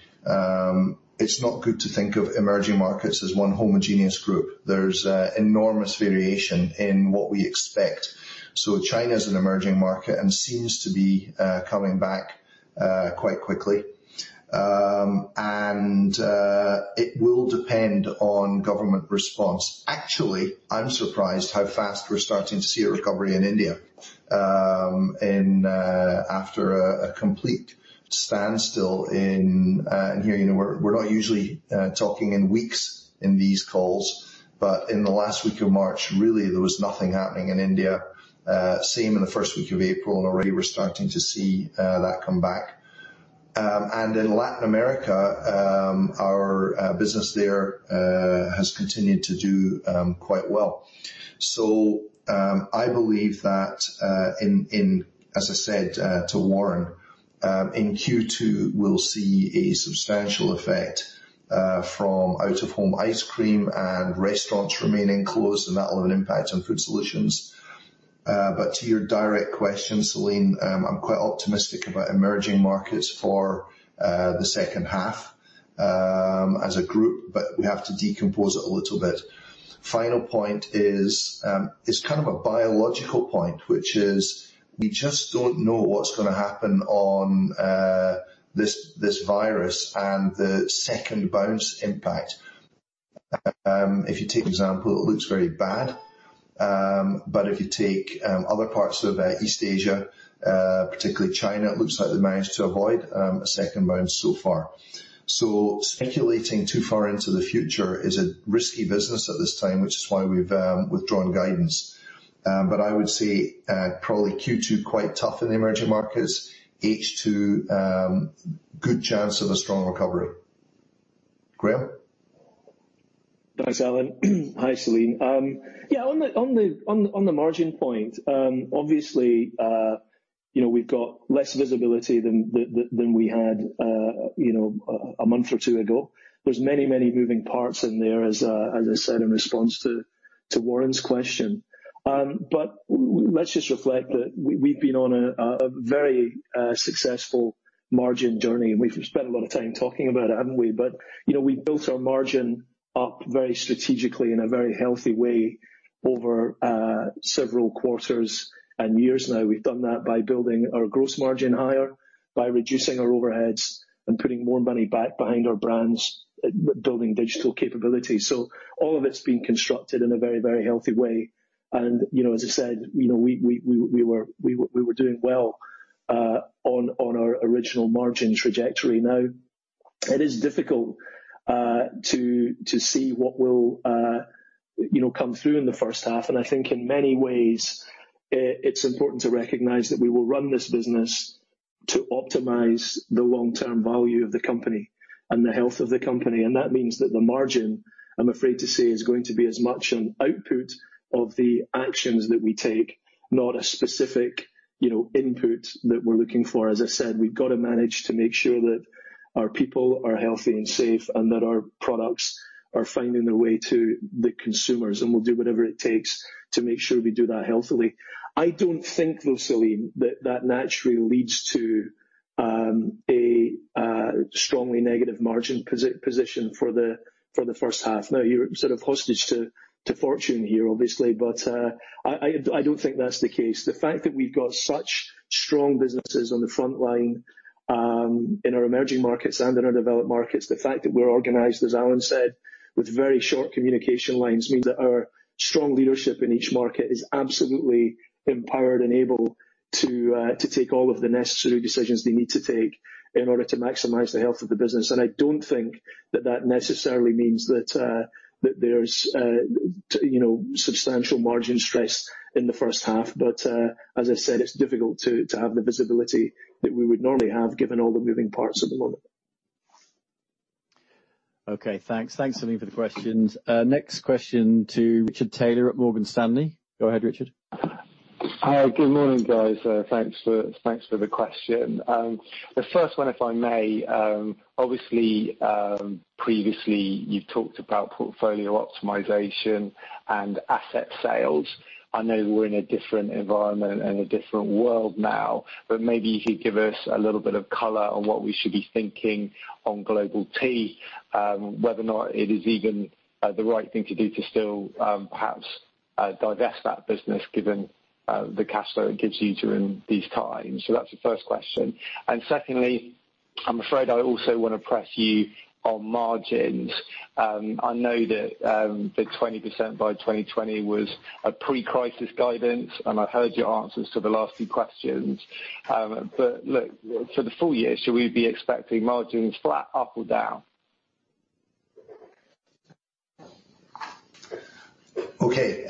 it's not good to think of emerging markets as one homogeneous group. There's enormous variation in what we expect. China is an emerging market and seems to be coming back quite quickly. It will depend on government response. Actually, I'm surprised how fast we're starting to see a recovery in India after a complete standstill. We're not usually talking in weeks in these calls, but in the last week of March, really, there was nothing happening in India. Same in the first week of April, already we're starting to see that come back. In Latin America, our business there has continued to do quite well. I believe that, as I said to Warren, in Q2, we'll see a substantial effect from out-of-home ice cream and restaurants remaining closed, and that will have an impact on Food Solutions. To your direct question, Celine, I'm quite optimistic about emerging markets for the second half as a group, but we have to decompose it a little bit. Final point is kind of a biological point, which is we just don't know what's going to happen on this virus and the second bounce impact. If you take example, it looks very bad. If you take other parts of East Asia, particularly China, it looks like they managed to avoid a second bounce so far. Speculating too far into the future is a risky business at this time, which is why we've withdrawn guidance. I would say probably Q2, quite tough in the emerging markets. H2, good chance of a strong recovery. Graeme? Thanks, Alan. Hi, Celine. Yeah, on the margin point, obviously, we've got less visibility than we had a month or two ago. There's many moving parts in there, as I said in response to Warren's question. Let's just reflect that we've been on a very successful margin journey, and we've spent a lot of time talking about it, haven't we? We built our margin up very strategically in a very healthy way over several quarters and years now. We've done that by building our gross margin higher, by reducing our overheads, and putting more money back behind our brands, building digital capability. All of it's been constructed in a very healthy way. As I said, we were doing well on our original margin trajectory. Now, it is difficult to see what will come through in the first half, and I think in many ways, it's important to recognize that we will run this business to optimize the long-term value of the company and the health of the company. That means that the margin, I'm afraid to say, is going to be as much an output of the actions that we take, not a specific input that we're looking for. As I said, we've got to manage to make sure that our people are healthy and safe and that our products are finding their way to the consumers, and we'll do whatever it takes to make sure we do that healthily. I don't think, though, Celine, that that naturally leads to a strongly negative margin position for the first half. You're sort of hostage to fortune here, obviously, but I don't think that's the case. The fact that we've got such strong businesses on the front line in our emerging markets and in our developed markets, the fact that we're organized, as Alan said, with very short communication lines, means that our strong leadership in each market is absolutely empowered and able to take all of the necessary decisions they need to take in order to maximize the health of the business. I don't think that that necessarily means that there's substantial margin stress in the first half. As I said, it's difficult to have the visibility that we would normally have given all the moving parts at the moment. Okay, thanks. Thanks, Celine, for the questions. Next question to Richard Taylor at Morgan Stanley. Go ahead, Richard. Hi. Good morning, guys. Thanks for the question. The first one, if I may. Obviously, previously, you've talked about portfolio optimization and asset sales. I know we're in a different environment and a different world now, but maybe you could give us a little bit of color on what we should be thinking on global tea, whether or not it is even the right thing to do to still perhaps divest that business given the cash flow it gives you during these times. That's the first question. Secondly, I'm afraid I also want to press you on margins. I know that the 20% by 2020 was a pre-crisis guidance, and I've heard your answers to the last few questions. Look, for the full year, should we be expecting margins flat, up, or down? Okay.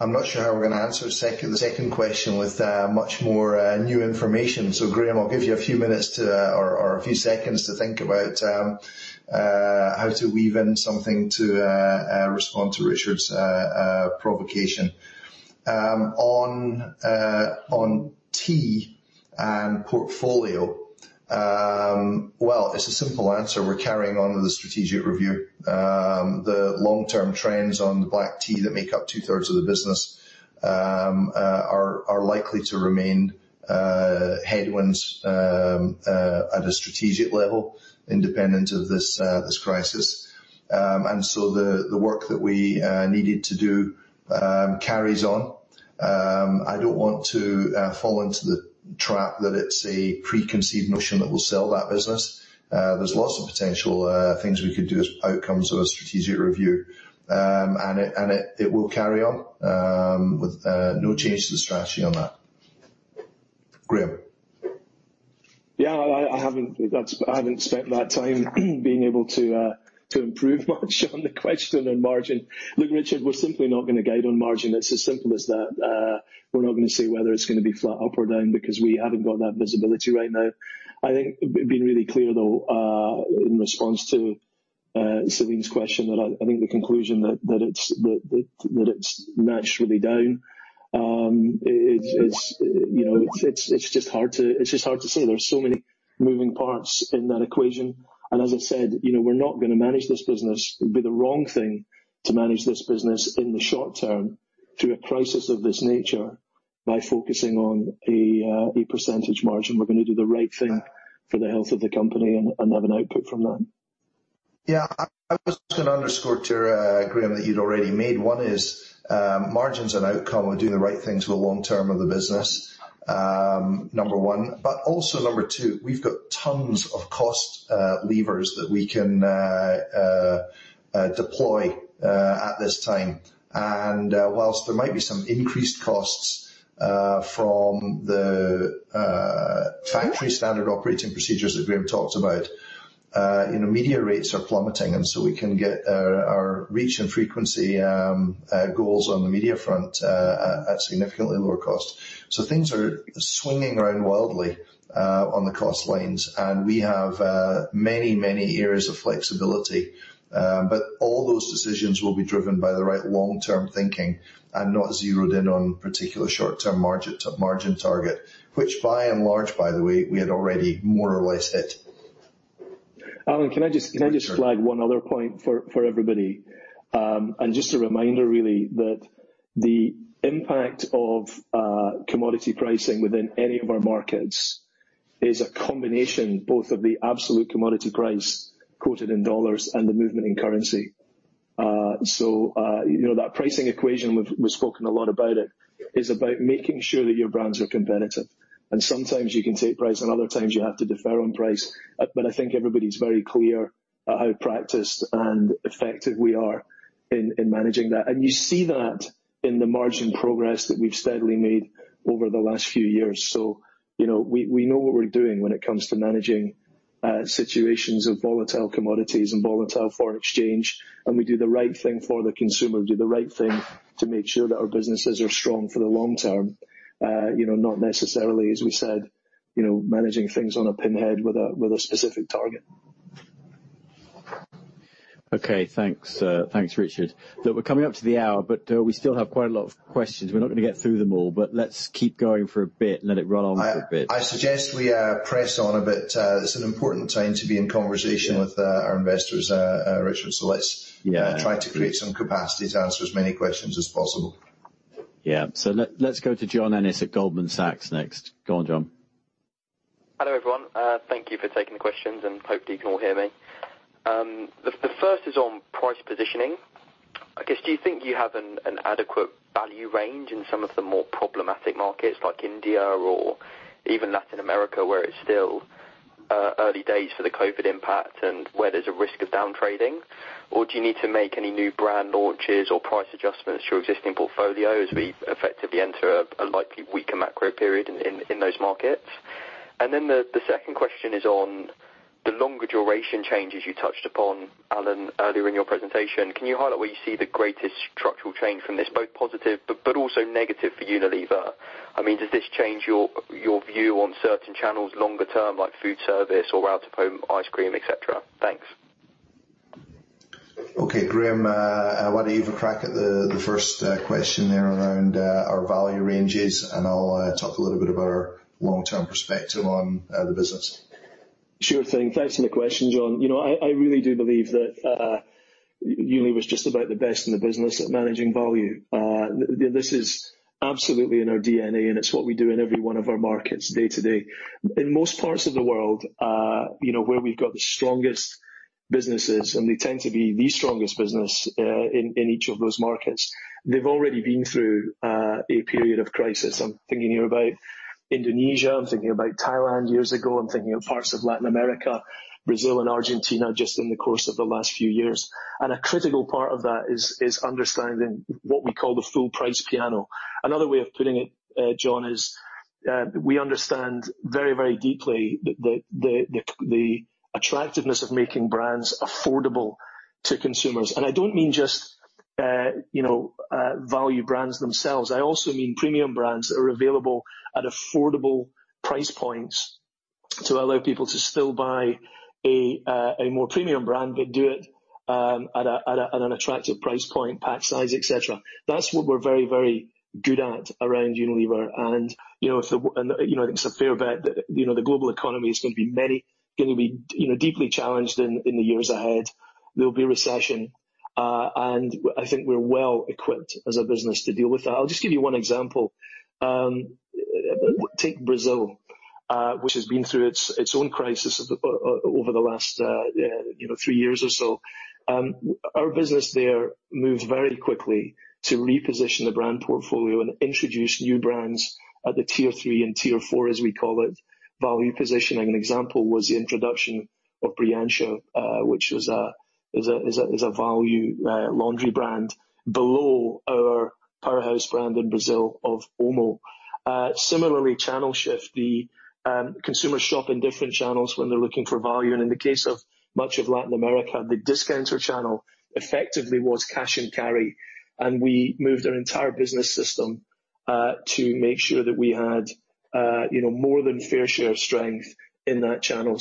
I'm not sure how we're going to answer the second question with much more new information. Graeme, I'll give you a few minutes to, or a few seconds to think about how to weave in something to respond to Richard's provocation. On tea and portfolio, well, it's a simple answer. We're carrying on with the strategic review. The long-term trends on the black tea that make up two-thirds of the business are likely to remain headwinds at a strategic level independent of this crisis. The work that we needed to do carries on. I don't want to fall into the trap that it's a preconceived notion that we'll sell that business. There's lots of potential things we could do as outcomes of a strategic review. It will carry on with no change to the strategy on that. Graeme. I haven't spent that time being able to improve much on the question on margin. Look, Richard, we're simply not going to guide on margin. It's as simple as that. We're not going to say whether it's going to be flat up or down because we haven't got that visibility right now. I think we've been really clear though, in response to Celine's question that I think the conclusion that it's naturally down, it's just hard to say. There's so many moving parts in that equation, and as I said, we're not going to manage this business. It would be the wrong thing to manage this business in the short term through a crisis of this nature by focusing on a percentage margin. We're going to do the right thing for the health of the company and have an output from that. Yeah, I was just going to underscore too, Graeme, that you'd already made. One is, margins and outcome and do the right thing to the long term of the business, number one. Also number two, we've got tons of cost levers that we can deploy at this time. Whilst there might be some increased costs from the factory standard operating procedures that Graeme talked about, media rates are plummeting. We can get our reach and frequency goals on the media front at significantly lower cost. Things are swinging around wildly on the cost lines. We have many areas of flexibility. All those decisions will be driven by the right long-term thinking and not zeroed in on particular short-term margin target, which by and large, by the way, we had already more or less hit. Alan, can I just? Richard Can I just flag one other point for everybody? Just a reminder really, that the impact of commodity pricing within any of our markets is a combination both of the absolute commodity price quoted in dollars and the movement in currency. That pricing equation we've spoken a lot about it, is about making sure that your brands are competitive. Sometimes you can take price, and other times you have to defer on price. I think everybody's very clear at how practiced and effective we are in managing that. You see that in the margin progress that we've steadily made over the last few years. We know what we're doing when it comes to managing situations of volatile commodities and volatile foreign exchange, and we do the right thing for the consumer, do the right thing to make sure that our businesses are strong for the long term. Not necessarily, as we said, managing things on a pinhead with a specific target. Okay, thanks. Thanks, Richard. We're coming up to the hour, we still have quite a lot of questions. We're not going to get through them all, let's keep going for a bit, let it run on for a bit. I suggest we press on a bit. It's an important time to be in conversation with our investors, Richard. Yeah try to create some capacity to answer as many questions as possible. Yeah. Let's go to John Ennis at Goldman Sachs next. Go on, Jon. Hello, everyone. Thank you for taking the questions, and hopefully you can all hear me. The first is on price positioning. I guess, do you think you have an adequate value range in some of the more problematic markets like India or even Latin America, where it's still early days for the COVID-19 impact and where there's a risk of downtrading? Do you need to make any new brand launches or price adjustments to your existing portfolio as we effectively enter a likely weaker macro period in those markets? The second question is on the longer duration changes you touched upon, Alan, earlier in your presentation. Can you highlight where you see the greatest structural change from this, both positive but also negative for Unilever? Does this change your view on certain channels longer term, like foodservice or out-of-home ice cream, et cetera? Thanks. Okay, Graeme, I will let you have a crack at the first question there around our value ranges, and I will talk a little bit about our long-term perspective on the business. Sure thing. Thanks for the question, Jon. I really do believe that Unilever is just about the best in the business at managing value. This is absolutely in our DNA, and it's what we do in every one of our markets day to day. In most parts of the world, where we've got the strongest businesses, and we tend to be the strongest business, in each of those markets, they've already been through a period of crisis. I'm thinking here about Indonesia, I'm thinking about Thailand years ago, I'm thinking of parts of Latin America, Brazil and Argentina just in the course of the last few years. A critical part of that is understanding what we call the full price piano. Another way of putting it, Jon, is we understand very deeply the attractiveness of making brands affordable to consumers. I don't mean just value brands themselves, I also mean premium brands that are available at affordable price points to allow people to still buy a more premium brand, but do it at an attractive price point, pack size, et cetera. That's what we're very good at around Unilever. It's a fair bet that the global economy is going to be deeply challenged in the years ahead. There'll be recession, and I think we're well equipped as a business to deal with that. I'll just give you one example. Take Brazil, which has been through its own crisis over the last three years or so. Our business there moved very quickly to reposition the brand portfolio and introduce new brands at the Tier 3 and Tier 4, as we call it, value positioning. An example was the introduction of Brilhante, which is a value laundry brand below our powerhouse brand in Brazil of OMO. Similarly, channel shift, the consumer shop in different channels when they're looking for value. In the case of much of Latin America, the discounter channel effectively was cash and carry, and we moved our entire business system to make sure that we had more than fair share of strength in that channel.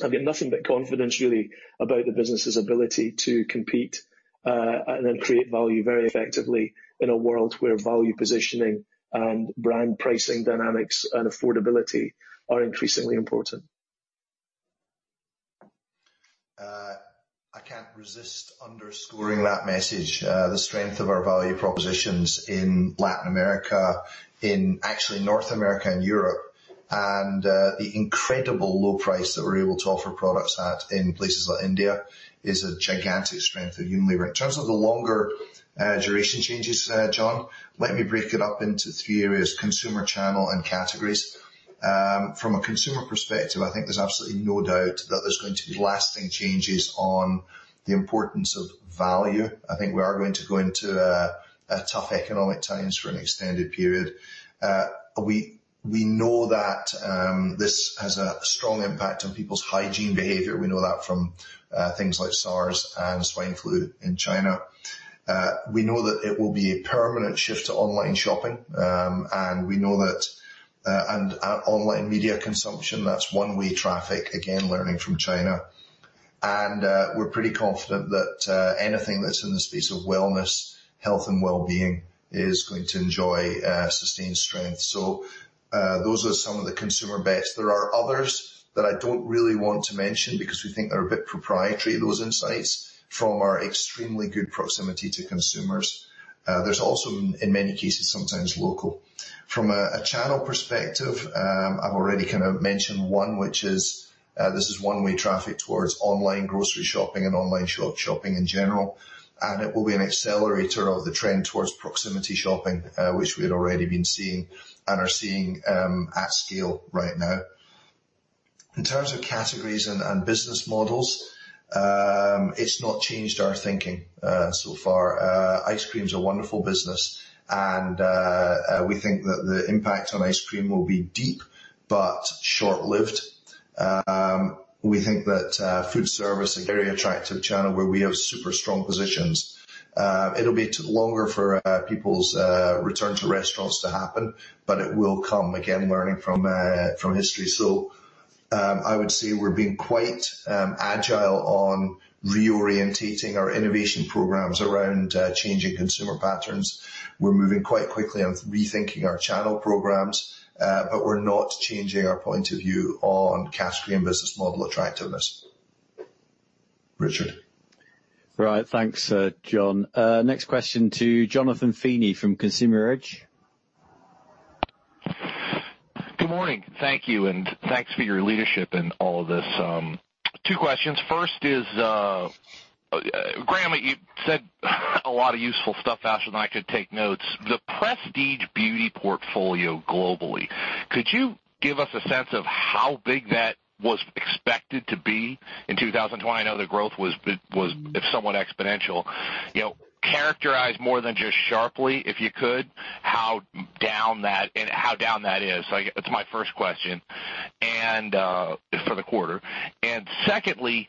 I've got nothing but confidence really about the business's ability to compete and create value very effectively in a world where value positioning and brand pricing dynamics and affordability are increasingly important. I can't resist underscoring that message, the strength of our value propositions in Latin America, in actually North America and Europe, and the incredible low price that we're able to offer products at in places like India is a gigantic strength of Unilever. In terms of the longer duration changes, Jon, let me break it up into three areas, consumer, channel, and categories. From a consumer perspective, I think there's absolutely no doubt that there's going to be lasting changes on the importance of value. I think we are going to go into tough economic times for an extended period. We know that this has a strong impact on people's hygiene behavior. We know that from things like SARS and swine flu in China. We know that it will be a permanent shift to online shopping, and we know that online media consumption, that's one-way traffic, again, learning from China. We're pretty confident that anything that's in the space of wellness, health, and wellbeing is going to enjoy sustained strength. Those are some of the consumer bets. There are others that I don't really want to mention because we think they're a bit proprietary, those insights from our extremely good proximity to consumers. There's also, in many cases, sometimes local. From a channel perspective, I've already kind of mentioned one, which is this is one-way traffic towards online grocery shopping and online shopping in general, and it will be an accelerator of the trend towards proximity shopping, which we had already been seeing and are seeing at scale right now. In terms of categories and business models, it's not changed our thinking so far. Ice cream's a wonderful business, and we think that the impact on ice cream will be deep, but short-lived. We think that foodservice, a very attractive channel where we have super strong positions. It'll be longer for people's return to restaurants to happen. It will come again, learning from history. I would say we're being quite agile on reorientating our innovation programs around changing consumer patterns. We're moving quite quickly on rethinking our channel programs. We're not changing our point of view on category and business model attractiveness. Richard. Right. Thanks, John. Next question to Jonathan Feeney from Consumer Edge. Good morning. Thank you, and thanks for your leadership in all of this. Two questions. First is, Graeme, you said a lot of useful stuff faster than I could take notes. The Prestige Beauty portfolio globally, could you give us a sense of how big that was expected to be in 2020? I know the growth was somewhat exponential. Characterize more than just sharply, if you could, how down that is. That's my first question for the quarter. Secondly,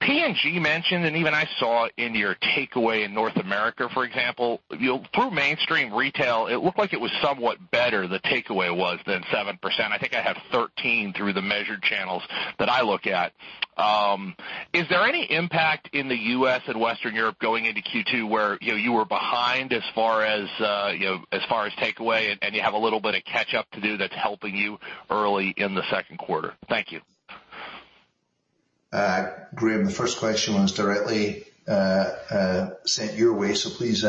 P&G mentioned, and even I saw in your takeaway in North America, for example, through mainstream retail, it looked like it was somewhat better, the takeaway was than 7%. I think I have 13 through the measured channels that I look at. Is there any impact in the U.S. and Western Europe going into Q2 where you were behind as far as takeaway and you have a little bit of catch-up to do that's helping you early in the second quarter? Thank you. Graeme, the first question was directly sent your way, so please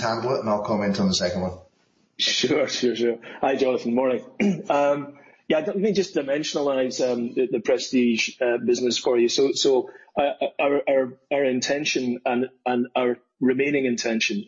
handle it, and I'll comment on the second one. Sure. Hi, Jonathan. Morning. Yeah, let me just dimensionalize the Prestige business for you. Our intention and our remaining intention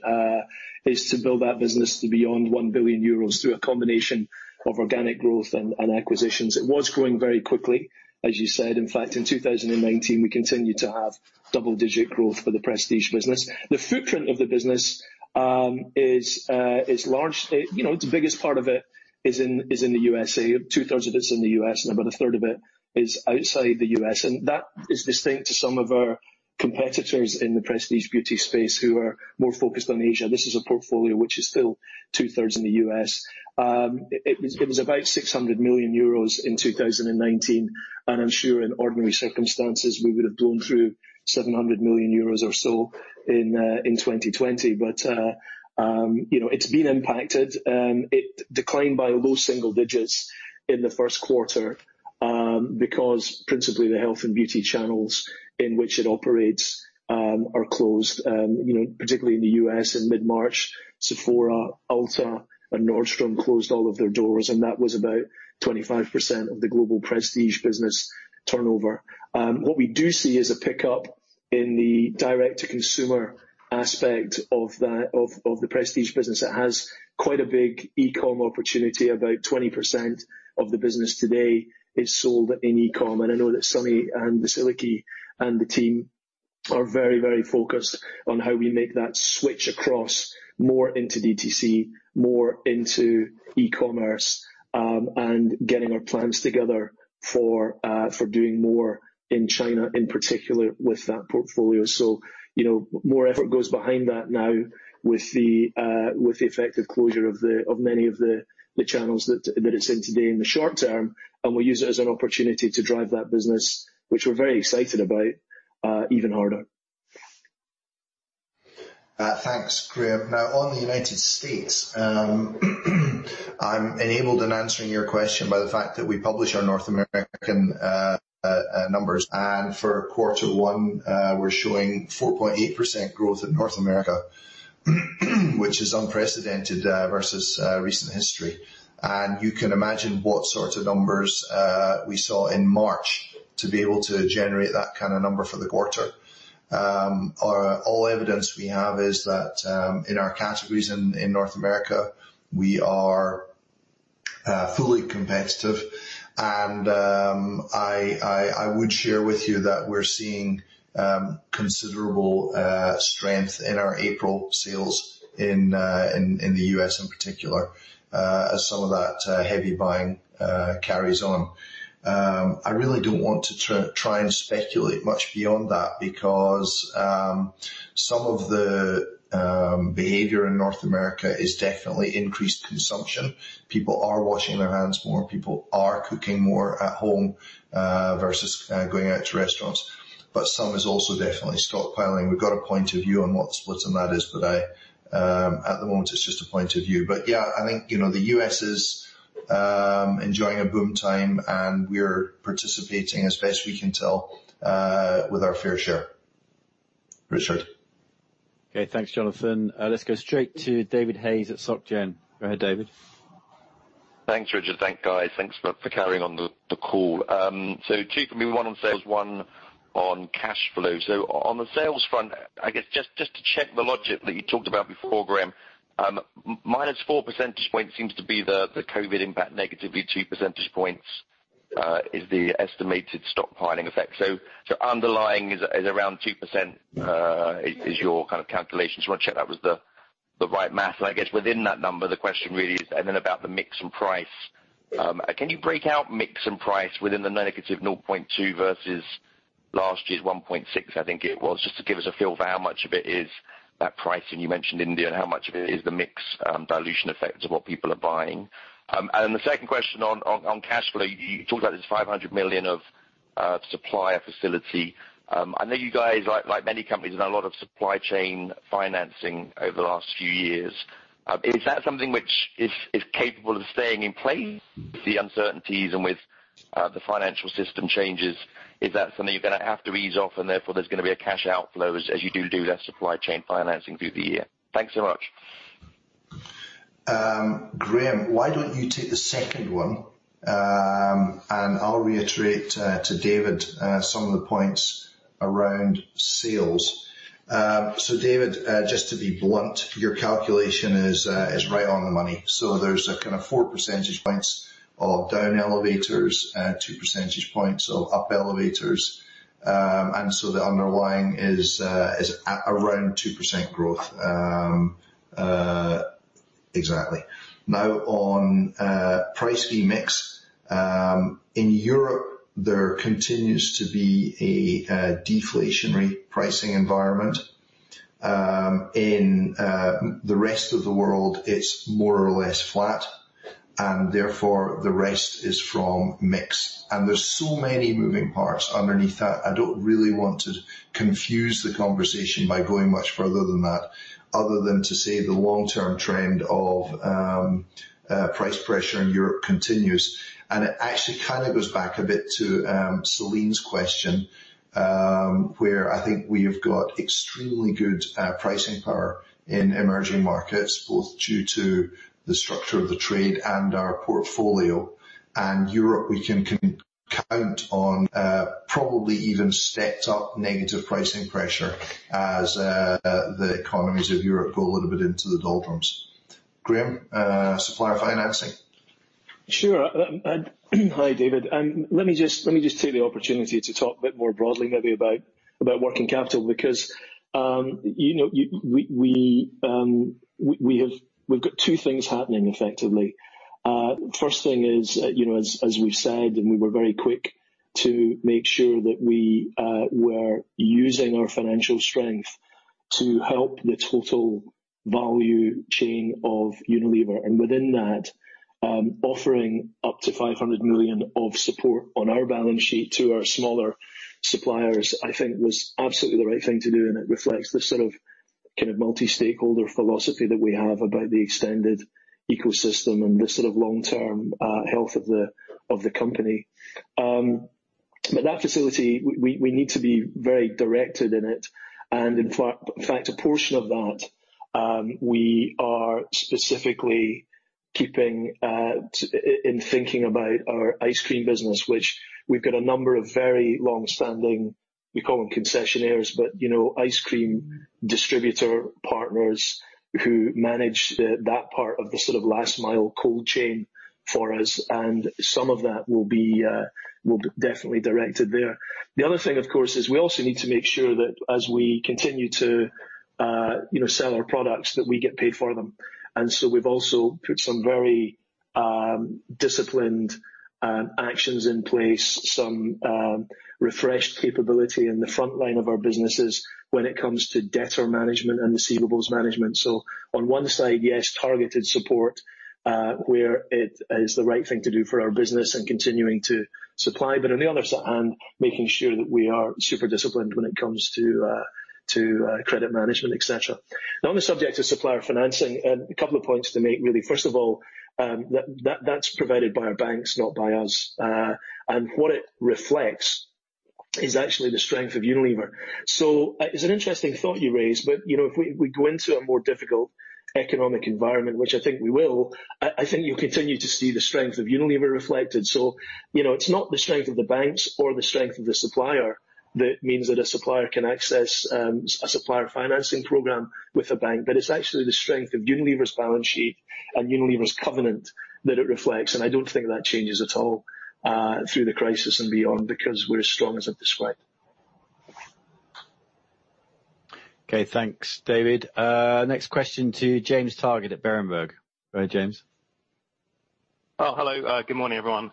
is to build that business to beyond 1 billion euros through a combination of organic growth and acquisitions. It was growing very quickly, as you said. In fact, in 2019, we continued to have double-digit growth for the Prestige business. The footprint of the business is large. The biggest part of it is in the U.S.A. Two-thirds of it's in the U.S., and about a third of it is outside the U.S., and that is distinct to some of our competitors in the Prestige Beauty space who are more focused on Asia. This is a portfolio which is still two-thirds in the U.S. It was about 600 million euros in 2019, and I'm sure in ordinary circumstances, we would have blown through 700 million euros or so in 2020. It's been impacted. It declined by low-single-digits in the first quarter because principally the health and beauty channels in which it operates are closed. Particularly in the U.S. in mid-March, Sephora, Ulta, and Nordstrom closed all of their doors, and that was about 25% of the global prestige business turnover. What we do see is a pickup in the direct-to-consumer aspect of the prestige business. It has quite a big e-com opportunity. About 20% of the business today is sold in e-com. I know that Sunny and Vasiliki and the team are very focused on how we make that switch across more into DTC, more into e-commerce, and getting our plans together for doing more in China, in particular with that portfolio. More effort goes behind that now with the effective closure of many of the channels that it's in today in the short term. We'll use it as an opportunity to drive that business, which we're very excited about, even harder. Thanks, Graeme. On the U.S., I'm enabled in answering your question by the fact that we publish our North American numbers. For quarter one, we're showing 4.8% growth in North America, which is unprecedented versus recent history. You can imagine what sorts of numbers we saw in March to be able to generate that kind of number for the quarter. All evidence we have is that in our categories in North America, we are fully competitive. I would share with you that we're seeing considerable strength in our April sales in the U.S. in particular, as some of that heavy buying carries on. I really don't want to try and speculate much beyond that because some of the behavior in North America is definitely increased consumption. People are washing their hands more. People are cooking more at home versus going out to restaurants. Some is also definitely stockpiling. We've got a point of view on what the splits on that is, but at the moment, it's just a point of view. Yeah, I think, the U.S. is enjoying a boom time, and we're participating as best we can tell with our fair share. Richard. Okay, thanks, Jonathan. Let's go straight to David Hayes at Société Générale. Go ahead, David. Thanks, Richard. Thanks, guys. Thanks for carrying on the call. Two for me, one on sales, one on cash flow. On the sales front, I guess just to check the logic that you talked about before, Graeme. -4 percentage points seems to be the COVID impact negatively, 2 percentage points is the estimated stockpiling effect. Underlying is around 2%. Yeah is your kind of calculations. Just want to check that was the right math. I guess within that number, the question really is then about the mix and price. Can you break out mix and price within the -0.2 versus last year's 1.6, I think it was, just to give us a feel for how much of it is that pricing you mentioned, India, and how much of it is the mix dilution effect of what people are buying? The second question on cash flow, you talked about this 500 million of supplier facility. I know you guys, like many companies, have done a lot of supply chain financing over the last few years. Is that something which is capable of staying in place with the uncertainties and with the financial system changes? Is that something you're going to have to ease off and therefore there's going to be a cash outflow as you do less supply chain financing through the year? Thanks so much. Graeme, why don't you take the second one? I'll reiterate to David some of the points around sales. David, just to be blunt, your calculation is right on the money. There's a kind of 4 percentage points of down elevators, 2 percentage points of up elevators. The underlying is around 2% growth. Exactly. Now on price/mix. In Europe, there continues to be a deflationary pricing environment. In the rest of the world, it's more or less flat, and therefore the rest is from mix. There's so many moving parts underneath that, I don't really want to confuse the conversation by going much further than that, other than to say the long-term trend of price pressure in Europe continues. It actually kind of goes back a bit to Celine's question, where I think we have got extremely good pricing power in emerging markets, both due to the structure of the trade and our portfolio. Europe we can count on probably even stepped up negative pricing pressure as the economies of Europe go a little bit into the doldrums. Graeme, supplier financing. Sure. Hi, David. Let me just take the opportunity to talk a bit more broadly maybe about working capital. We've got two things happening effectively. First thing is, as we've said, we were very quick to make sure that we were using our financial strength to help the total value chain of Unilever. Within that, offering up to 500 million of support on our balance sheet to our smaller suppliers, I think was absolutely the right thing to do. It reflects the sort of multi-stakeholder philosophy that we have about the extended ecosystem and the sort of long-term health of the company. That facility, we need to be very directed in it. In fact, a portion of that, we are specifically keeping in thinking about our ice cream business, which we've got a number of very long-standing, we call them concessionaires, but ice cream distributor partners who manage that part of the sort of last mile cold chain for us, and some of that will be definitely directed there. The other thing, of course, is we also need to make sure that as we continue to sell our products, that we get paid for them. We've also put some very disciplined actions in place, some refreshed capability in the frontline of our businesses when it comes to debtor management and receivables management. On one side, yes, targeted support, where it is the right thing to do for our business and continuing to supply, but on the other hand, making sure that we are super disciplined when it comes to credit management, et cetera. On the subject of supplier financing, a couple of points to make, really. First of all, that's provided by our banks, not by us. What it reflects is actually the strength of Unilever. It's an interesting thought you raised, but if we go into a more difficult economic environment, which I think we will, I think you'll continue to see the strength of Unilever reflected. It's not the strength of the banks or the strength of the supplier that means that a supplier can access a supplier financing program with a bank, but it's actually the strength of Unilever's balance sheet and Unilever's covenant that it reflects, and I don't think that changes at all through the crisis and beyond because we're as strong as ever described. Okay, thanks, David. Next question to James Targett at Berenberg. Go ahead, James. Oh, hello. Good morning, everyone.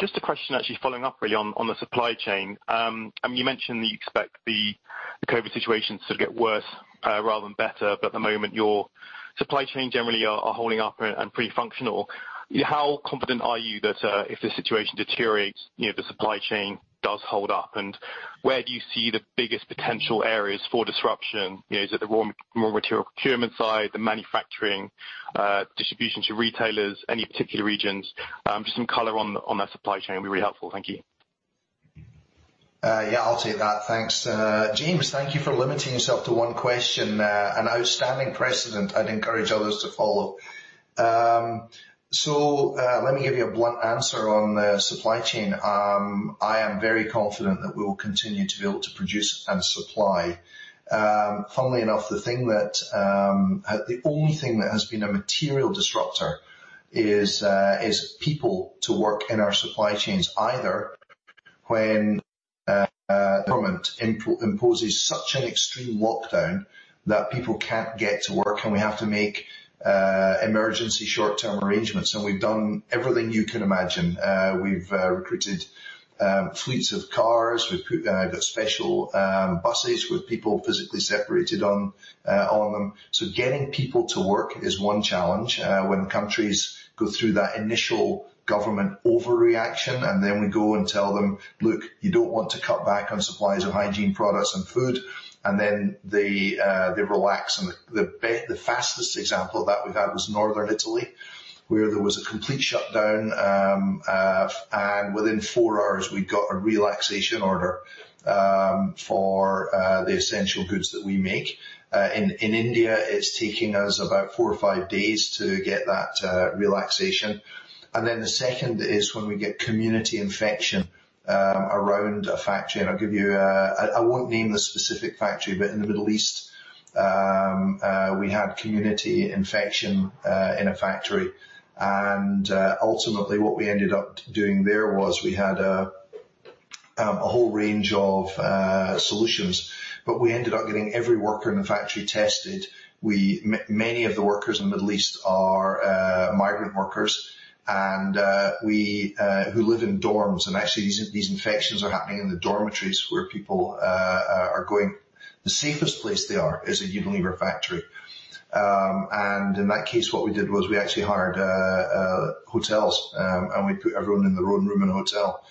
Just a question actually following up really on the supply chain. You mentioned that you expect the COVID situation to get worse rather than better, but at the moment your supply chain generally are holding up and pretty functional. How confident are you that, if the situation deteriorates, the supply chain does hold up? Where do you see the biggest potential areas for disruption? Is it the raw material procurement side, the manufacturing, distribution to retailers, any particular regions? Just some color on that supply chain would be really helpful. Thank you. Yeah, I'll take that. Thanks. James, thank you for limiting yourself to one question. An outstanding precedent I'd encourage others to follow. Let me give you a blunt answer on the supply chain. I am very confident that we will continue to be able to produce and supply. Funnily enough, the only thing that has been a material disruptor is people to work in our supply chains, either when government imposes such an extreme lockdown that people can't get to work and we have to make emergency short-term arrangements, and we've done everything you can imagine. We've recruited fleets of cars. We've put special buses with people physically separated on them. Getting people to work is one challenge. When countries go through that initial government overreaction, then we go and tell them, "Look, you don't want to cut back on supplies of hygiene products and food." They relax, and the fastest example of that we've had was Northern Italy, where there was a complete shutdown, and within four hours we got a relaxation order for the essential goods that we make. In India, it's taking us about four or five days to get that relaxation. The second is when we get community infection around a factory, and I won't name the specific factory, but in the Middle East, we had community infection in a factory. Ultimately what we ended up doing there was we had a whole range of solutions, but we ended up getting every worker in the factory tested. Many of the workers in the Middle East are migrant workers who live in dorms, and actually, these infections are happening in the dormitories where people are going. The safest place they are is a Unilever factory. In that case, what we did was we actually hired hotels, and we put everyone in their own room in a hotel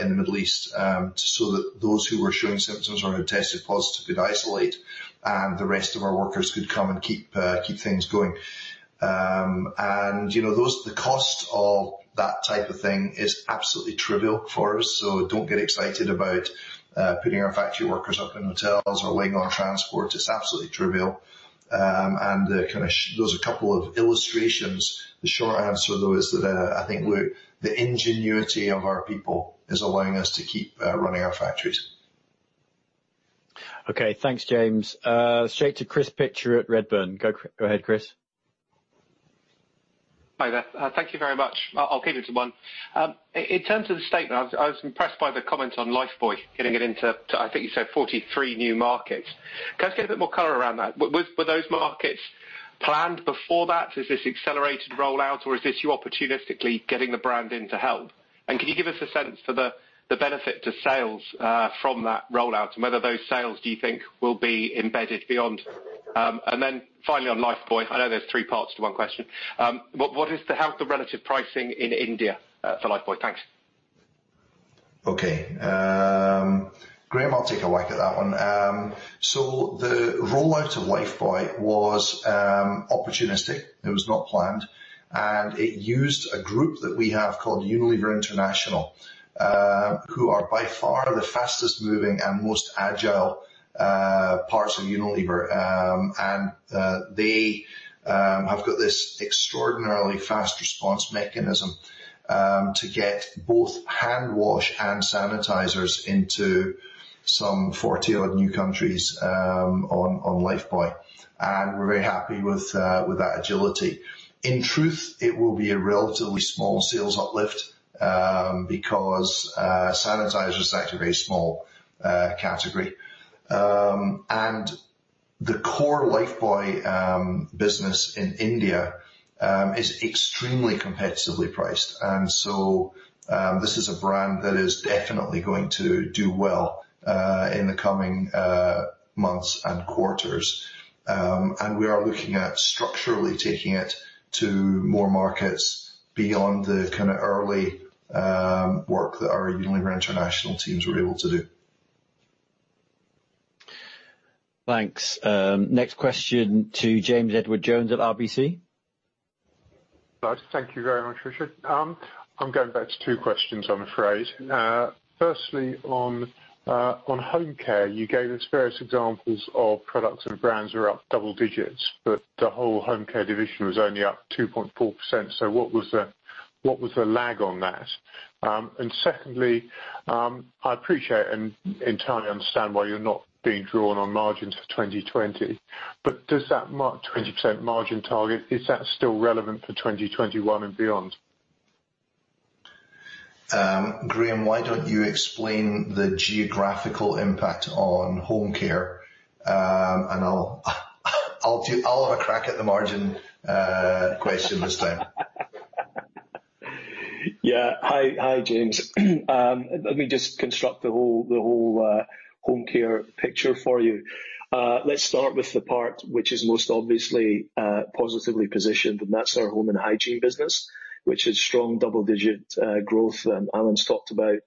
in the Middle East, so that those who were showing symptoms or who tested positive could isolate, and the rest of our workers could come and keep things going. The cost of that type of thing is absolutely trivial for us, so don't get excited about putting our factory workers up in hotels or laying on transport. It's absolutely trivial. Those are a couple of illustrations. The short answer, though, is that I think the ingenuity of our people is allowing us to keep running our factories. Okay. Thanks, James. Straight to Chris Pitcher at Redburn. Go ahead, Chris. Hi there. Thank you very much. I'll keep it to one. In terms of the statement, I was impressed by the comments on Lifebuoy, getting it into, I think you said 43 new markets. Can I just get a bit more color around that? Were those markets planned before that? Is this accelerated rollout, or is this you opportunistically getting the brand in to help? Can you give us a sense for the benefit to sales from that rollout, and whether those sales do you think will be embedded beyond? Finally, on Lifebuoy, I know there's three parts to one question. What is the health of relative pricing in India for Lifebuoy? Thanks. Okay. Graeme, I'll take a whack at that one. The rollout of Lifebuoy was opportunistic. It was not planned, and it used a group that we have called Unilever International, who are by far the fastest moving and most agile parts of Unilever. They have got this extraordinarily fast response mechanism to get both hand wash and sanitizers into some 40-odd new countries on Lifebuoy. We're very happy with that agility. In truth, it will be a relatively small sales uplift, because sanitizer is actually a very small category. The core Lifebuoy business in India is extremely competitively priced. This is a brand that is definitely going to do well in the coming months and quarters. We are looking at structurally taking it to more markets beyond the kind of early work that our Unilever International teams were able to do. Thanks. Next question to James Edwardes Jones at RBC Capital Markets. Thank you very much, Richard. I'm going back to two questions, I'm afraid. Firstly, on Home Care, you gave us various examples of products and brands that are up double-digits, but the whole Home Care division was only up 2.4%. What was the lag on that? Secondly, I appreciate and entirely understand why you're not being drawn on margins for 2020. Does that mark 20% margin target, is that still relevant for 2021 and beyond? Graeme, why don't you explain the geographical impact on Home Care? I'll have a crack at the margin question this time. Yeah. Hi, James. Let me just construct the whole Home Care picture for you. Let's start with the part which is most obviously positively positioned, and that's our home and hygiene business, which is strong double-digit growth. Alan's talked about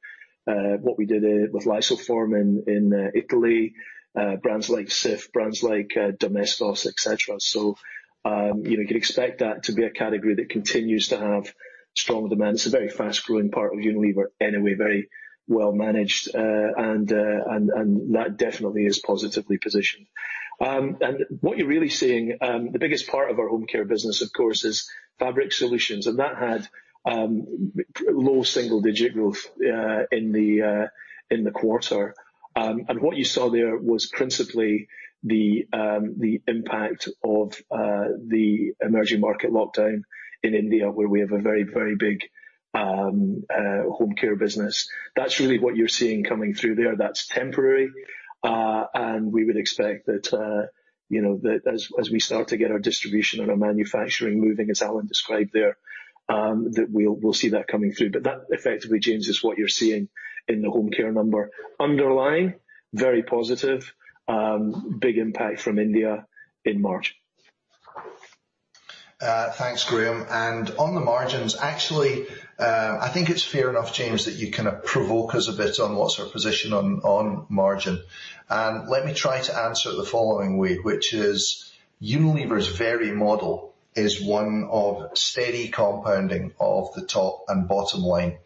what we did with Lysoform in Italy, brands like Cif, brands like Domestos, et cetera. You can expect that to be a category that continues to have strong demand. It's a very fast-growing part of Unilever anyway, very well managed, and that definitely is positively positioned. What you're really seeing, the biggest part of our Home Care business, of course, is fabric solutions, and that had low single-digit growth in the quarter. What you saw there was principally the impact of the emerging market lockdown in India, where we have a very big Home Care business. That's really what you're seeing coming through there. That's temporary. We would expect that as we start to get our distribution and our manufacturing moving, as Alan described there, that we'll see that coming through. That effectively, James, is what you're seeing in the Home Care number. Underlying, very positive, big impact from India in March. Thanks, Graeme. On the margins, actually, I think it's fair enough, James, that you kind of provoke us a bit on what's our position on margin. Let me try to answer it the following way, which is Unilever's very model is one of steady compounding of the top and bottom line.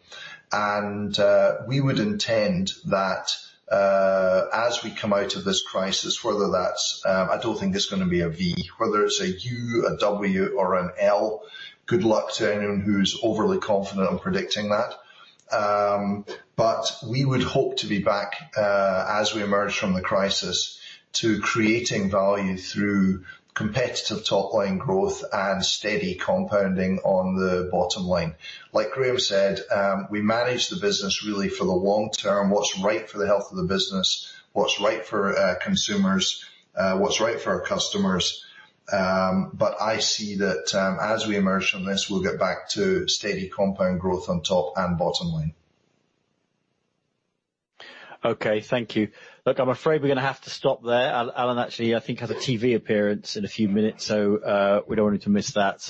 We would intend that as we come out of this crisis, whether that's, I don't think it's going to be a V, whether it's a U, a W, or an L, good luck to anyone who's overly confident on predicting that. We would hope to be back as we emerge from the crisis to creating value through competitive top-line growth and steady compounding on the bottom line. Like Graeme said, we manage the business really for the long term, what's right for the health of the business, what's right for consumers, what's right for our customers. I see that as we emerge from this, we'll get back to steady compound growth on top and bottom line. Okay, thank you. Look, I'm afraid we're going to have to stop there. Alan, actually, I think has a TV appearance in a few minutes, so we don't want him to miss that.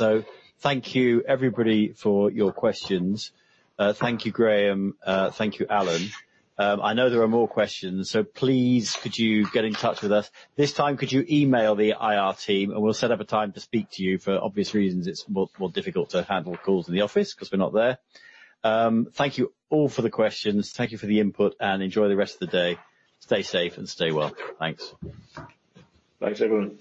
Thank you everybody for your questions. Thank you, Graeme. Thank you, Alan. I know there are more questions, so please could you get in touch with us. This time, could you email the IR team, and we'll set up a time to speak to you. For obvious reasons, it's more difficult to handle calls in the office because we're not there. Thank you all for the questions. Thank you for the input, and enjoy the rest of the day. Stay safe and stay well. Thanks. Thanks, everyone.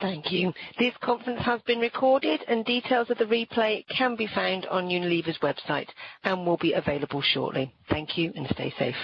Thank you. This conference has been recorded and details of the replay can be found on Unilever's website and will be available shortly. Thank you, and stay safe.